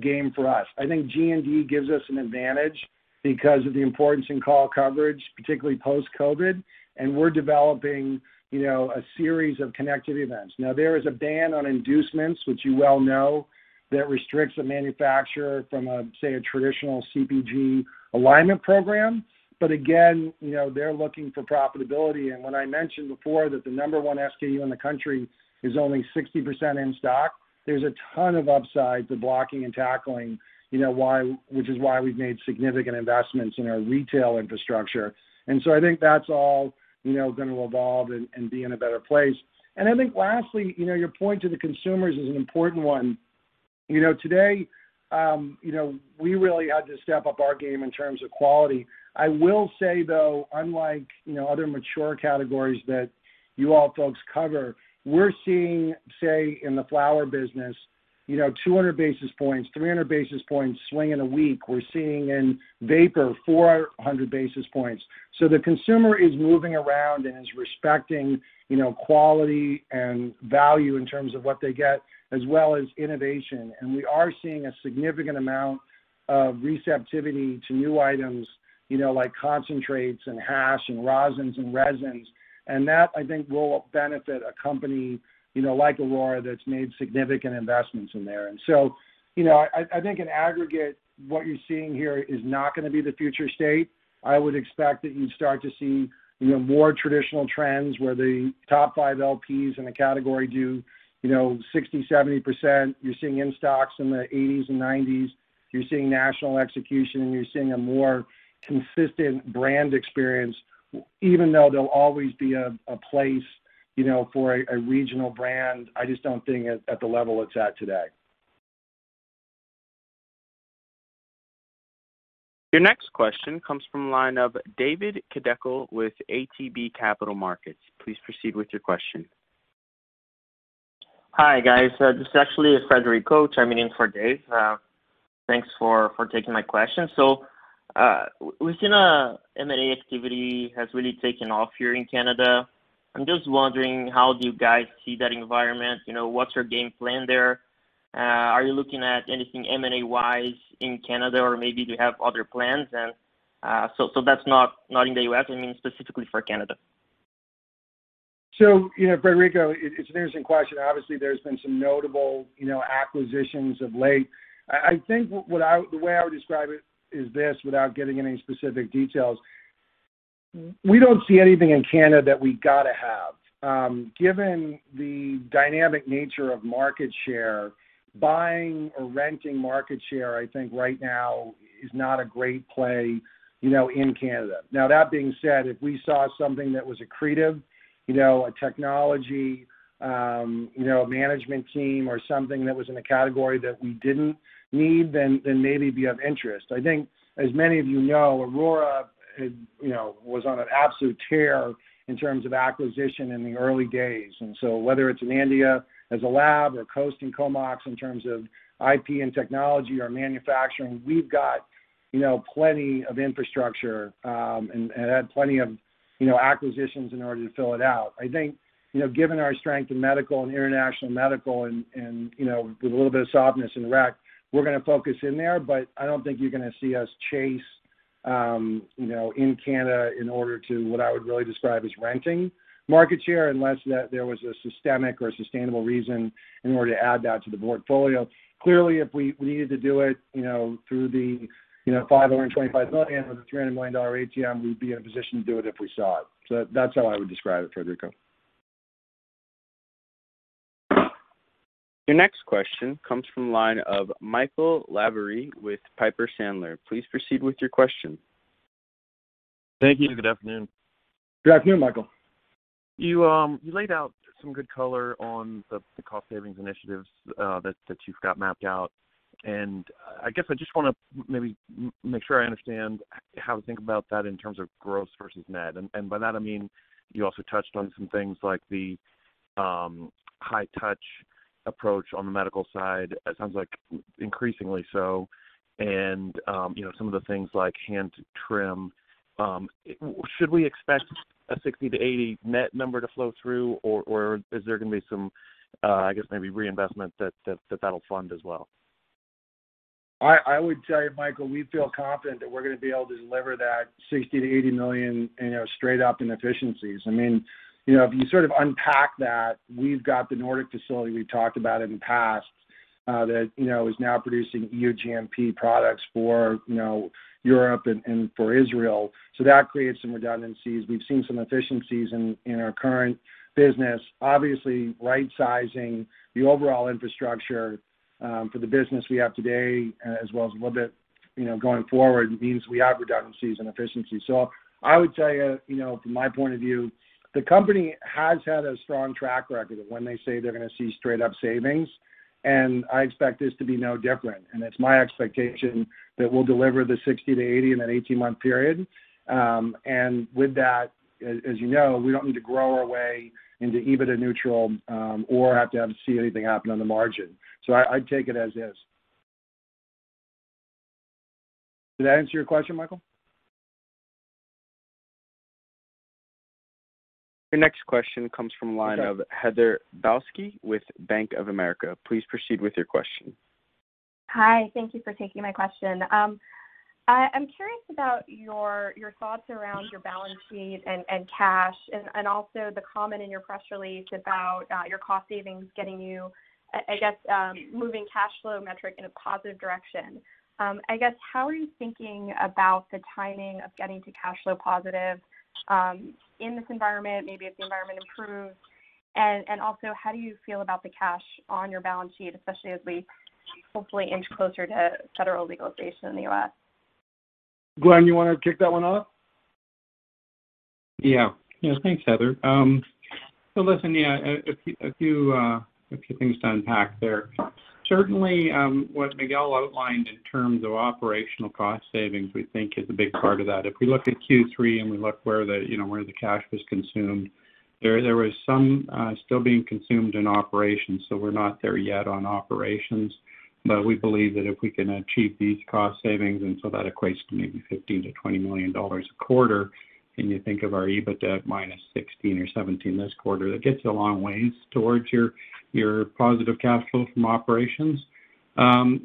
game for us. I think GND gives us an advantage because of the importance in call coverage, particularly post-COVID, and we're developing a series of connected events. Now there is a ban on inducements, which you well know, that restricts a manufacturer from, say, a traditional CPG alignment program. Again, they're looking for profitability. When I mentioned before that the number one SKU in the country is only 60% in stock, there's a ton of upside to blocking and tackling, which is why we've made significant investments in our retail infrastructure. I think that's all going to evolve and be in a better place. I think lastly, your point to the consumers is an important one. Today, we really had to step up our game in terms of quality. I will say, though, unlike other mature categories that you all folks cover, we're seeing, say, in the flower business, 200 basis points, 300 basis points swing in a week. We're seeing in vapor, 400 basis points. The consumer is moving around and is respecting quality and value in terms of what they get, as well as innovation. We are seeing a significant amount of receptivity to new items, like concentrates and hash and rosins and resins. That, I think, will benefit a company like Aurora that's made significant investments in there. I think in aggregate, what you're seeing here is not going to be the future state. I would expect that you'd start to see more traditional trends where the top five LPs in a category do 60%-70%. You're seeing in-stocks in the 80%s and 90%s. You're seeing national execution, and you're seeing a more consistent brand experience, even though there'll always be a place for a regional brand. I just don't think at the level it's at today. Your next question comes from the line of David Kideckel with ATB Capital Markets. Please proceed with your question. Hi, guys. This actually is Federico chiming in for David. Thanks for taking my question. We've seen M&A activity has really taken off here in Canada. I'm just wondering how do you guys see that environment? What's your game plan there? Are you looking at anything M&A-wise in Canada, or maybe do you have other plans? That's not in the U.S., I mean, specifically for Canada. Federico, it's an interesting question. Obviously, there's been some notable acquisitions of late. I think the way I would describe it is this, without getting into any specific details. We don't see anything in Canada that we got to have. Given the dynamic nature of market share, buying or renting market share, I think right now is not a great play in Canada. That being said, if we saw something that was accretive, a technology, a management team, or something that was in a category that we didn't need, then maybe it'd be of interest. I think, as many of you know, Aurora was on an absolute tear in terms of acquisition in the early days. Whether it's Anandia as a lab or coast in Comox in terms of IP and technology or manufacturing, we've got plenty of infrastructure, and had plenty of acquisitions in order to fill it out. I think, given our strength in medical and international medical and with a little bit of softness in rec, we're going to focus in there, but I don't think you're going to see us chase in Canada in order to, what I would really describe as renting market share, unless there was a systemic or sustainable reason in order to add that to the portfolio. Clearly, if we needed to do it through the 525 million with a 300 million dollar ATM, we'd be in a position to do it if we saw it. That's how I would describe it, Federico. Your next question comes from the line of Michael Lavery with Piper Sandler. Please proceed with your question. Thank you. Good afternoon. Good afternoon, Michael. You laid out some good color on the cost savings initiatives that you've got mapped out. I guess I just want to maybe make sure I understand how to think about that in terms of gross versus net. By that I mean, you also touched on some things like the high touch approach on the medical side, it sounds like increasingly so, and some of the things like hand trim. Should we expect a 60 million-80 million net number to flow through or is there going to be some, I guess maybe reinvestment that'll fund as well? I would say, Michael, we feel confident that we're going to be able to deliver that 60 million-80 million straight up in efficiencies. If you sort of unpack that, we've got the Nordic facility we've talked about in the past, that is now producing EU GMP products for Europe and for Israel. That creates some redundancies. We've seen some efficiencies in our current business. Obviously, rightsizing the overall infrastructure, for the business we have today, as well as a little bit going forward, means we have redundancies and efficiencies. I would tell you, from my point of view, the company has had a strong track record of when they say they're going to see straight up savings, and I expect this to be no different. It's my expectation that we'll deliver the 60 million-80 million in that 18-month period. With that, as you know, we don't need to grow our way into EBITDA neutral, or have to have see anything happen on the margin. I'd take it as is. Did that answer your question, Michael? Your next question comes from the line of Heather Balsky with Bank of America. Please proceed with your question. Hi. Thank you for taking my question. I'm curious about your thoughts around your balance sheet and cash, and also the comment in your press release about your cost savings getting you, I guess moving cash flow metric in a positive direction. I guess, how are you thinking about the timing of getting to cash flow positive, in this environment, maybe if the environment improves? Also, how do you feel about the cash on your balance sheet, especially as we hopefully inch closer to federal legalization in the U.S.? Glen, you want to kick that one off? Yeah. Thanks, Heather. Listen, yeah, a few things to unpack there. Certainly, what Miguel outlined in terms of operational cost savings we think is a big part of that. If we look at Q3 and we look where the cash was consumed, there was some still being consumed in operations, so we're not there yet on operations. We believe that if we can achieve these cost savings, that equates to maybe 15 million-20 million dollars a quarter, and you think of our EBITDA -16 million or -17 million this quarter, that gets you a long ways towards your positive cash flow from operations.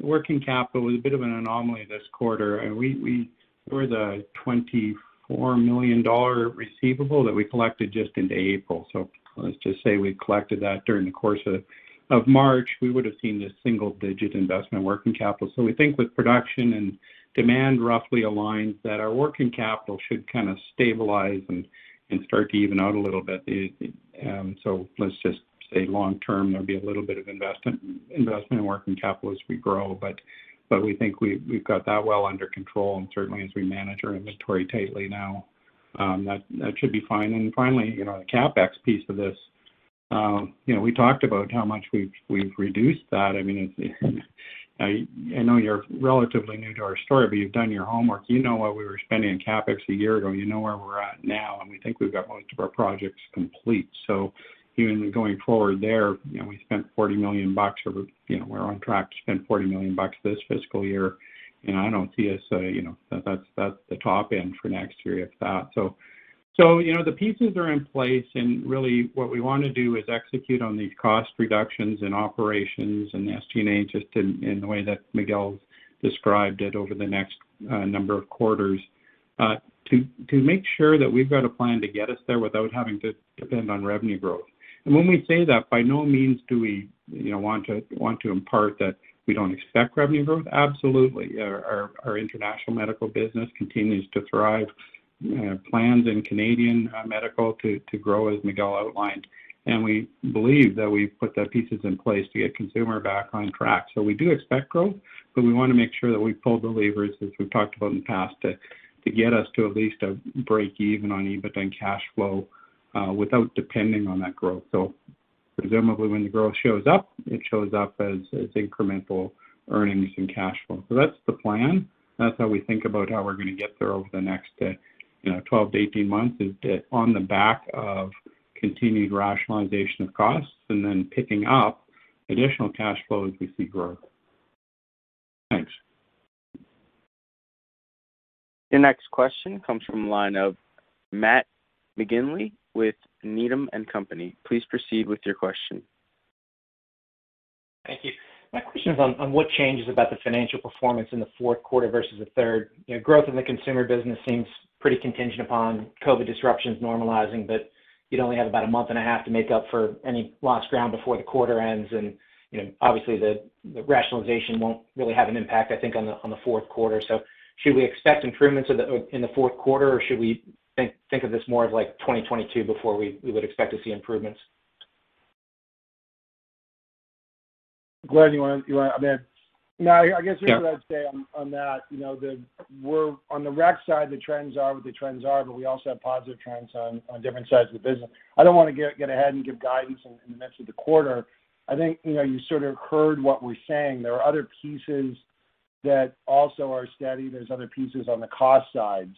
Working capital was a bit of an anomaly this quarter. There was a 24 million dollar receivable that we collected just into April. Let's just say we collected that during the course of March, we would have seen a single-digit investment working capital. We think with production and demand roughly aligned, that our working capital should kind of stabilize and start to even out a little bit. Let's just say long-term, there'll be a little bit of investment in working capital as we grow, but we think we've got that well under control. Certainly as we manage our inventory tightly now, that should be fine. Finally, the CapEx piece of this. We talked about how much we've reduced that. I know you're relatively new to our story, but you've done your homework. You know what we were spending in CapEx a year ago, you know where we're at now, and we think we've got most of our projects complete. Even going forward there, we spent 40 million bucks, or we are on track to spend 40 million bucks this fiscal year. I do not see us. That is the top end for next year, if that. The pieces are in place and really what we want to do is execute on these cost reductions in operations and SG&A just in the way that Miguel described it over the next number of quarters. To make sure that we've got a plan to get us there without having to depend on revenue growth. When we say that, by no means do we want to impart that we don't expect revenue growth. Absolutely. Our international medical business continues to thrive, plans in Canadian medical to grow, as Miguel outlined. We believe that we've put the pieces in place to get consumer back on track. We do expect growth, but we want to make sure that we pull the levers, as we've talked about in the past, to get us to at least a break even on EBITDA and cash flow, without depending on that growth. Presumably, when the growth shows up, it shows up as incremental earnings and cash flow. That's the plan. That's how we think about how we're going to get there over the next 12-18 months, is on the back of continued rationalization of costs and then picking up additional cash flow as we see growth. Thanks. The next question comes from the line of Matt McGinley with Needham & Company. Please proceed with your question. Thank you. My question is on what changes about the financial performance in the fourth quarter versus the third. Growth in the consumer business seems pretty contingent upon COVID disruptions normalizing, but you'd only have about a month and a half to make up for any lost ground before the quarter ends. Obviously, the rationalization won't really have an impact, I think, on the fourth quarter. Should we expect improvements in the fourth quarter, or should we think of this more of like 2022 before we would expect to see improvements? Glen, you want to jump in? I guess what I'd say on that, on the rec side, the trends are what the trends are, but we also have positive trends on different sides of the business. I don't want to get ahead and give guidance in the midst of the quarter. I think you sort of heard what we're saying. There are other pieces that also are steady. There's other pieces on the cost side.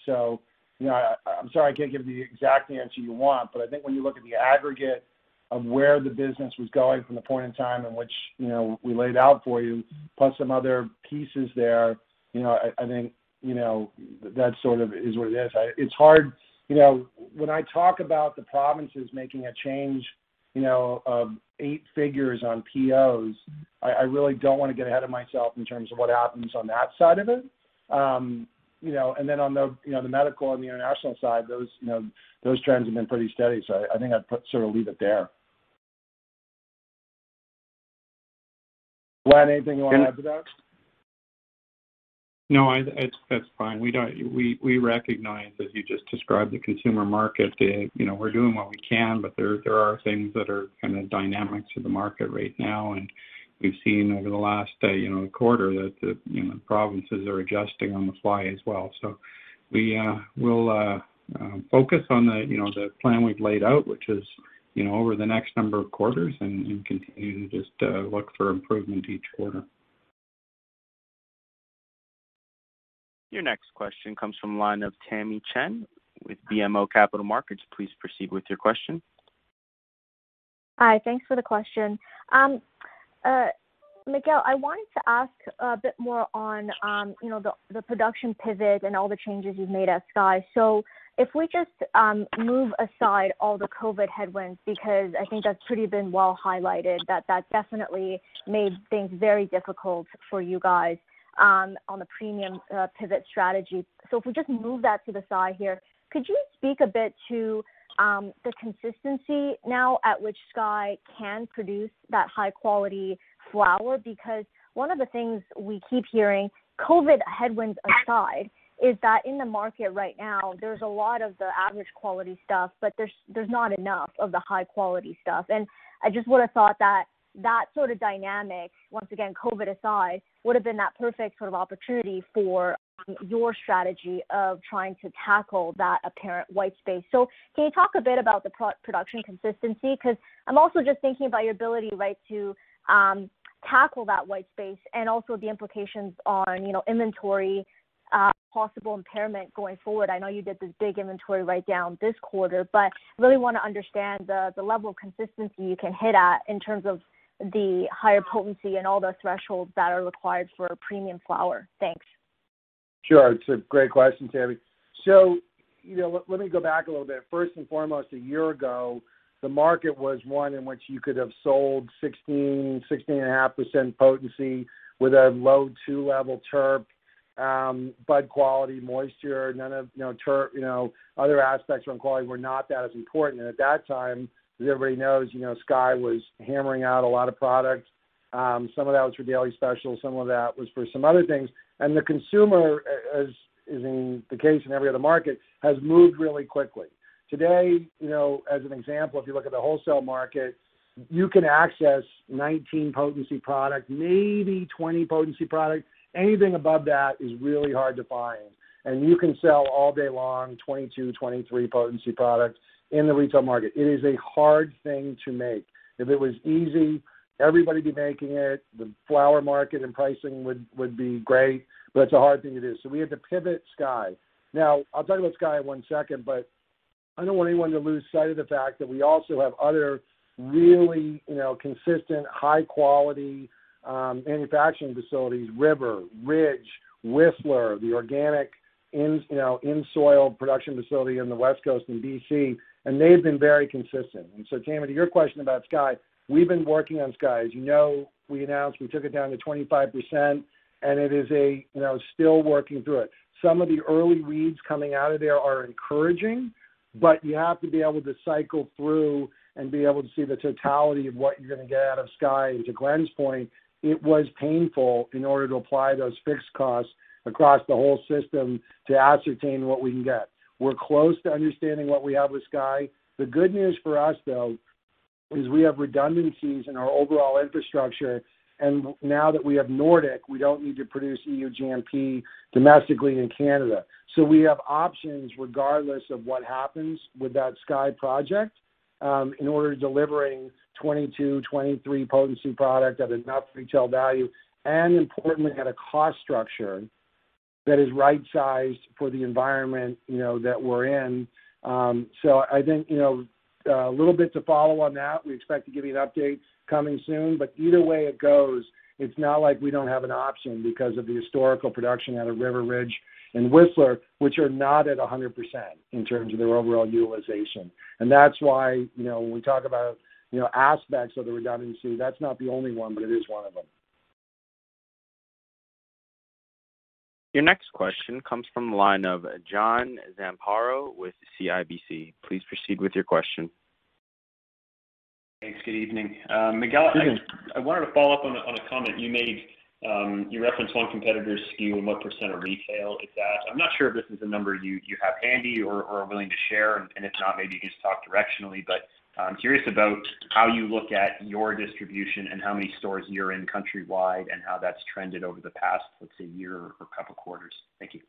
I'm sorry I can't give the exact answer you want, but I think when you look at the aggregate of where the business was going from the point in time in which we laid out for you, plus some other pieces there, I think that sort of is what it is. When I talk about the provinces making a change of eight figures on POs, I really don't want to get ahead of myself in terms of what happens on that side of it. On the medical and the international side, those trends have been pretty steady. I think I'd sort of leave it there. Glen, anything you want to add to that? No, that's fine. We recognize, as you just described, the consumer market. We're doing what we can, but there are things that are kind of dynamic to the market right now. We've seen over the last quarter that the provinces are adjusting on the fly as well. We'll focus on the plan we've laid out, which is over the next number of quarters and continue to just look for improvement each quarter. Your next question comes from the line of Tamy Chen with BMO Capital Markets. Please proceed with your question. Hi, thanks for the question. Miguel, I wanted to ask a bit more on the production pivot and all the changes you've made at Aurora Sky. If we just move aside all the COVID headwinds, because I think that's pretty been well highlighted, that definitely made things very difficult for you guys on the premium pivot strategy. If we just move that to the side here, could you speak a bit to the consistency now at which Aurora Sky can produce that high-quality flower? One of the things we keep hearing, COVID headwinds aside, is that in the market right now, there's a lot of the average quality stuff, but there's not enough of the high-quality stuff. I just would've thought that sort of dynamic, once again, COVID aside, would've been that perfect sort of opportunity for your strategy of trying to tackle that apparent white space. Can you talk a bit about the production consistency? Because I'm also just thinking about your ability, right, to tackle that white space and also the implications on inventory, possible impairment going forward. I know you did the big inventory write down this quarter, but really want to understand the level of consistency you can hit at in terms of the higher potency and all the thresholds that are required for premium flower. Thanks. Sure. It's a great question, Tamy. Let me go back a little bit. First and foremost, a year ago, the market was one in which you could have sold 16%, 16.5% potency with a low two-level terp. Bud quality, moisture, amount of terp. Other aspects around quality were not that as important. At that time, as everybody knows, Aurora Sky was hammering out a lot of product. Some of that was for Daily Special, some of that was for some other things. The consumer, as is in the case in every other market, has moved really quickly. Today, as an example, if you look at the wholesale market, you can access 19% potency product, maybe 20% potency product. Anything above that is really hard to find. You can sell all day long, 22%, 23% potency products in the retail market. It is a hard thing to make. If it was easy, everybody'd be making it. The flower market and pricing would be great, but it's a hard thing to do. We had to pivot Sky. I'll tell you about Sky in one second, but I don't want anyone to lose sight of the fact that we also have other really consistent, high quality, manufacturing facilities, River, Ridge, Whistler, the organic in-soil production facility in the West Coast in B.C., and they've been very consistent. Tamy, to your question about Sky, we've been working on Sky. As you know, we announced we took it down to 25%, and it is still working through it. Some of the early reads coming out of there are encouraging, but you have to be able to cycle through and be able to see the totality of what you're going to get out of Sky. To Glen's point, it was painful in order to apply those fixed costs across the whole system to ascertain what we can get. We're close to understanding what we have with Sky. The good news for us, though, is we have redundancies in our overall infrastructure, and now that we have Nordic, we don't need to produce EU GMP domestically in Canada. We have options regardless of what happens with that Sky project, in order to delivering 22%, 23% potency product at enough retail value, and importantly, at a cost structure that is right-sized for the environment that we're in. I think, a little bit to follow on that. We expect to give you an update coming soon. Either way it goes, it's not like we don't have an option because of the historical production out of River, Ridge, and Whistler, which are not at 100% in terms of their overall utilization. That's why when we talk about aspects of the redundancy, that's not the only one, but it is one of them. Your next question comes from the line of John Zamparo with CIBC Capital Markets. Please proceed with your question. Thanks. Good evening. Good evening. Miguel, I wanted to follow up on a comment you made. You referenced one competitor SKU and what percentage of retail it's at. I'm not sure if this is a number you have handy or are willing to share, and if not, maybe you can just talk directionally, but I'm curious about how you look at your distribution and how many stores you're in countrywide and how that's trended over the past, let's say, year or couple quarters. Thank you.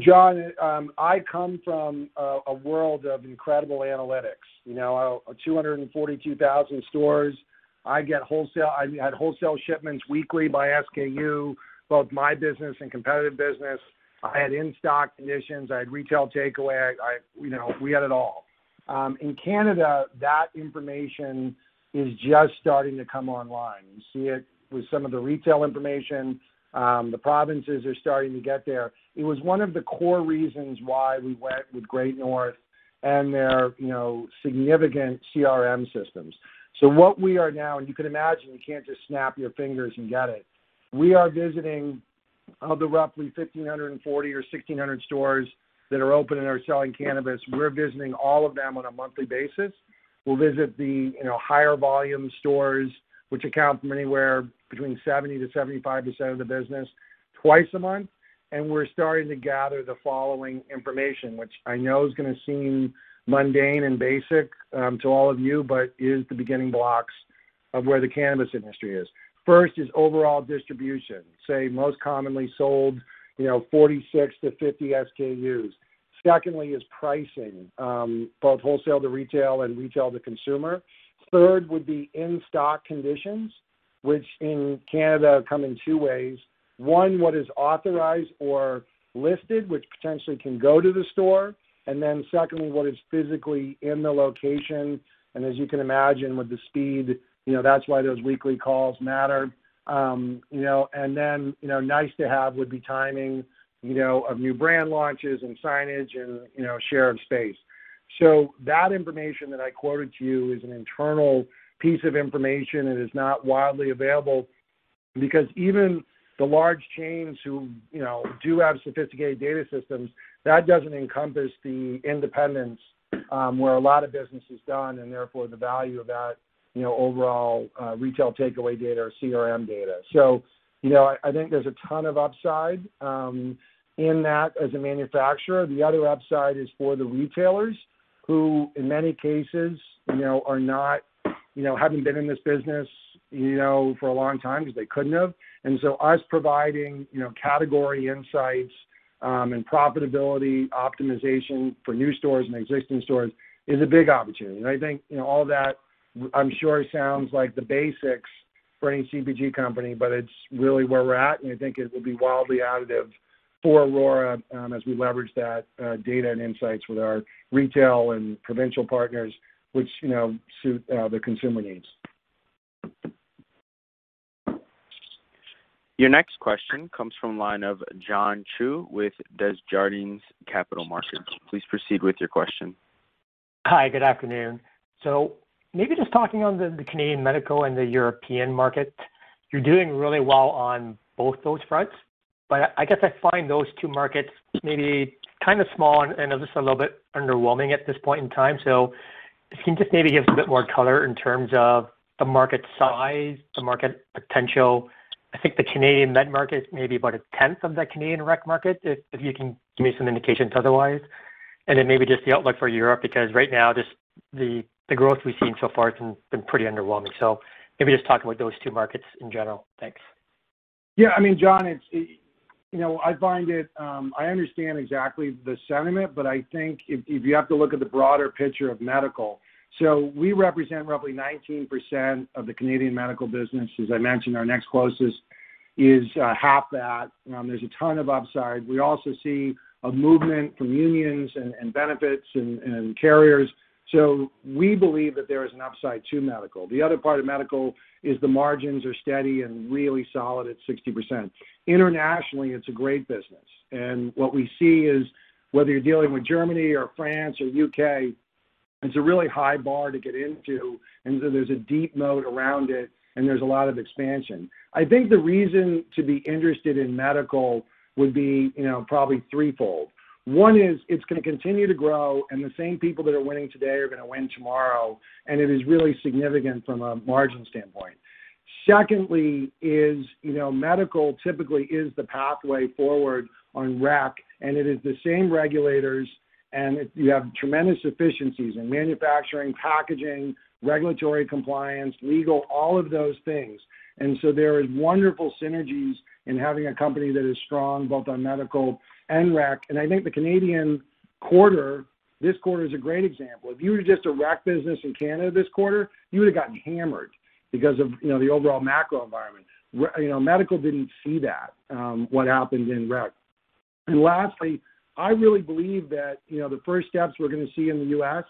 John, I come from a world of incredible analytics, 242,000 stores. I had wholesale shipments weekly by SKU, both my business and competitive business. I had in-stock conditions. I had retail takeaway. We had it all. In Canada, that information is just starting to come online. You see it with some of the retail information. The provinces are starting to get there. It was one of the core reasons why we went with Great North and their significant CRM systems. What we are now, and you can imagine, you can't just snap your fingers and get it. We are visiting of the roughly 1,540 or 1,600 stores that are open and are selling cannabis, we're visiting all of them on a monthly basis. We'll visit the higher volume stores, which account from anywhere between 70%-75% of the business twice a month, and we're starting to gather the following information, which I know is going to seem mundane and basic to all of you, but is the beginning blocks of where the cannabis industry is. First is overall distribution, say most commonly sold, 46-50 SKUs. Secondly is pricing, both wholesale to retail and retail to consumer. Third would be in-stock conditions, which in Canada come in two ways. One, what is authorized or listed, which potentially can go to the store, and then secondly, what is physically in the location, and as you can imagine with the speed, that's why those weekly calls matter. Nice to have would be timing of new brand launches and signage and share of space. That information that I quoted to you is an internal piece of information. It is not widely available because even the large chains who do have sophisticated data systems, that doesn't encompass the independents, where a lot of business is done, and therefore, the value of that overall retail takeaway data or CRM data. I think there's a ton of upside in that as a manufacturer. The other upside is for the retailers, who in many cases haven't been in this business for a long time because they couldn't have. Us providing category insights, and profitability optimization for new stores and existing stores is a big opportunity. I think all that I'm sure sounds like the basics for any CPG company, but it's really where we're at, and I think it will be wildly additive for Aurora, as we leverage that data and insights with our retail and provincial partners, which suit the consumer needs. Your next question comes from the line of John Chu with Desjardins Capital Markets. Please proceed with your question. Hi, good afternoon. Maybe just talking on the Canadian medical and the European market, you're doing really well on both those fronts, but I guess I find those two markets maybe kind of small and just a little bit underwhelming at this point in time. If you can just maybe give a bit more color in terms of the market size, the market potential? I think the Canadian med market is maybe about a tenth of the Canadian rec market, if you can give me some indications otherwise? Then maybe just the outlook for Europe, because right now, just the growth we've seen so far has been pretty underwhelming. Maybe just talk about those two markets in general. Thanks. John, I understand exactly the sentiment. I think if you have to look at the broader picture of medical, we represent roughly 19% of the Canadian medical business. As I mentioned, our next closest is half that. There's a ton of upside. We also see a movement from unions and benefits and carriers. We believe that there is an upside to medical. The other part of medical is the margins are steady and really solid at 60%. Internationally, it's a great business. What we see is, whether you're dealing with Germany or France or U.K., it's a really high bar to get into. There's a deep moat around it. There's a lot of expansion. I think the reason to be interested in medical would be probably threefold. One is it's going to continue to grow, and the same people that are winning today are going to win tomorrow, and it is really significant from a margin standpoint. Secondly is, medical typically is the pathway forward on rec, and it is the same regulators, and you have tremendous efficiencies in manufacturing, packaging, regulatory compliance, legal, all of those things. There is wonderful synergies in having a company that is strong both on medical and rec. I think the Canadian quarter, this quarter, is a great example. If you were just a rec business in Canada this quarter, you would've gotten hammered because of the overall macro environment. Medical didn't see that, what happened in rec. Lastly, I really believe that the first steps we're going to see in the U.S.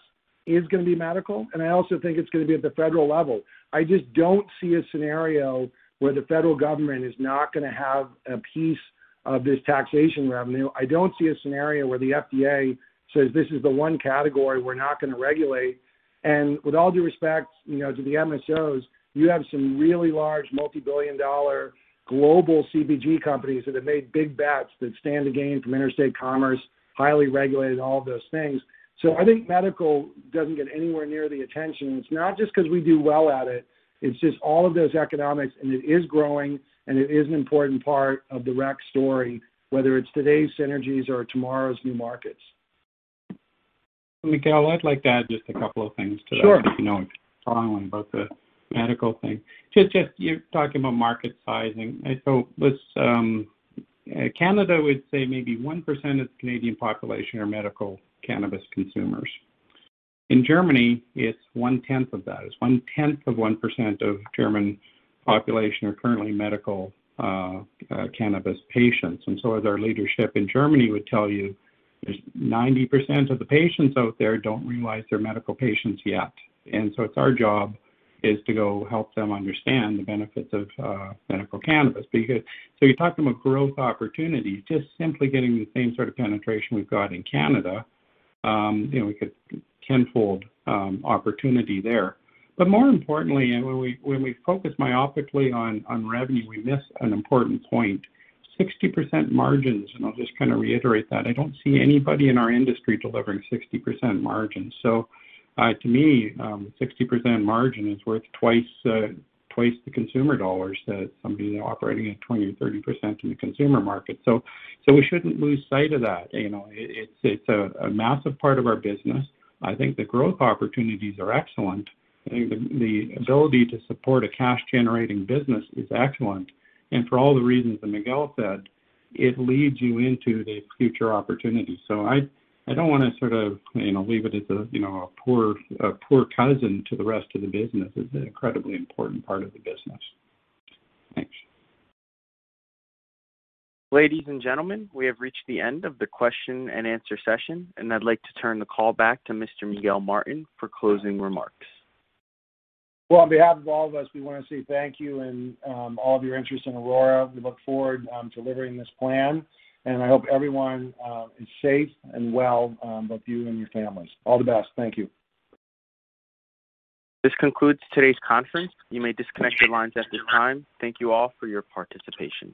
is going to be medical, and I also think it's going to be at the federal level. I just don't see a scenario where the federal government is not going to have a piece of this taxation revenue. I don't see a scenario where the FDA says, "This is the one category we're not going to regulate." With all due respect, to the MSOs, you have some really large, multi-billion-dollar global CPG companies that have made big bets that stand to gain from interstate commerce, highly regulated, all of those things. I think medical doesn't get anywhere near the attention. It's not just because we do well at it's just all of those economics, and it is growing, and it is an important part of the rec story, whether it's today's synergies or tomorrow's new markets. Miguel, I'd like to add just a couple of things to that. Sure if you don't mind, talking about the medical thing. Let's, Canada, we'd say maybe 1% of the Canadian population are medical cannabis consumers. In Germany, it's 1/10 of that. It's 1/10 of 1% of German population are currently medical cannabis patients. As our leadership in Germany would tell you, there's 90% of the patients out there don't realize they're medical patients yet. It's our job is to go help them understand the benefits of medical cannabis. You're talking about growth opportunity, just simply getting the same sort of penetration we've got in Canada, we could tenfold opportunity there. More importantly, and when we focus myopically on revenue, we miss an important point. 60% margins, and I'll just kind of reiterate that, I don't see anybody in our industry delivering 60% margins. To me, 60% margin is worth twice the consumer dollars that somebody operating at 20% or 30% in the consumer market. We shouldn't lose sight of that. It's a massive part of our business. I think the growth opportunities are excellent. I think the ability to support a cash-generating business is excellent. For all the reasons that Miguel said, it leads you into these future opportunities. I don't want to sort of leave it as a poor cousin to the rest of the business. It's an incredibly important part of the business. Thanks. Ladies and gentlemen, we have reached the end of the question and answer session, and I'd like to turn the call back to Mr. Miguel Martin for closing remarks. Well, on behalf of all of us, we want to say thank you and all of your interest in Aurora. We look forward to delivering this plan, and I hope everyone is safe and well, both you and your families. All the best. Thank you. This concludes today's conference. You may disconnect your lines at this time. Thank you all for your participation.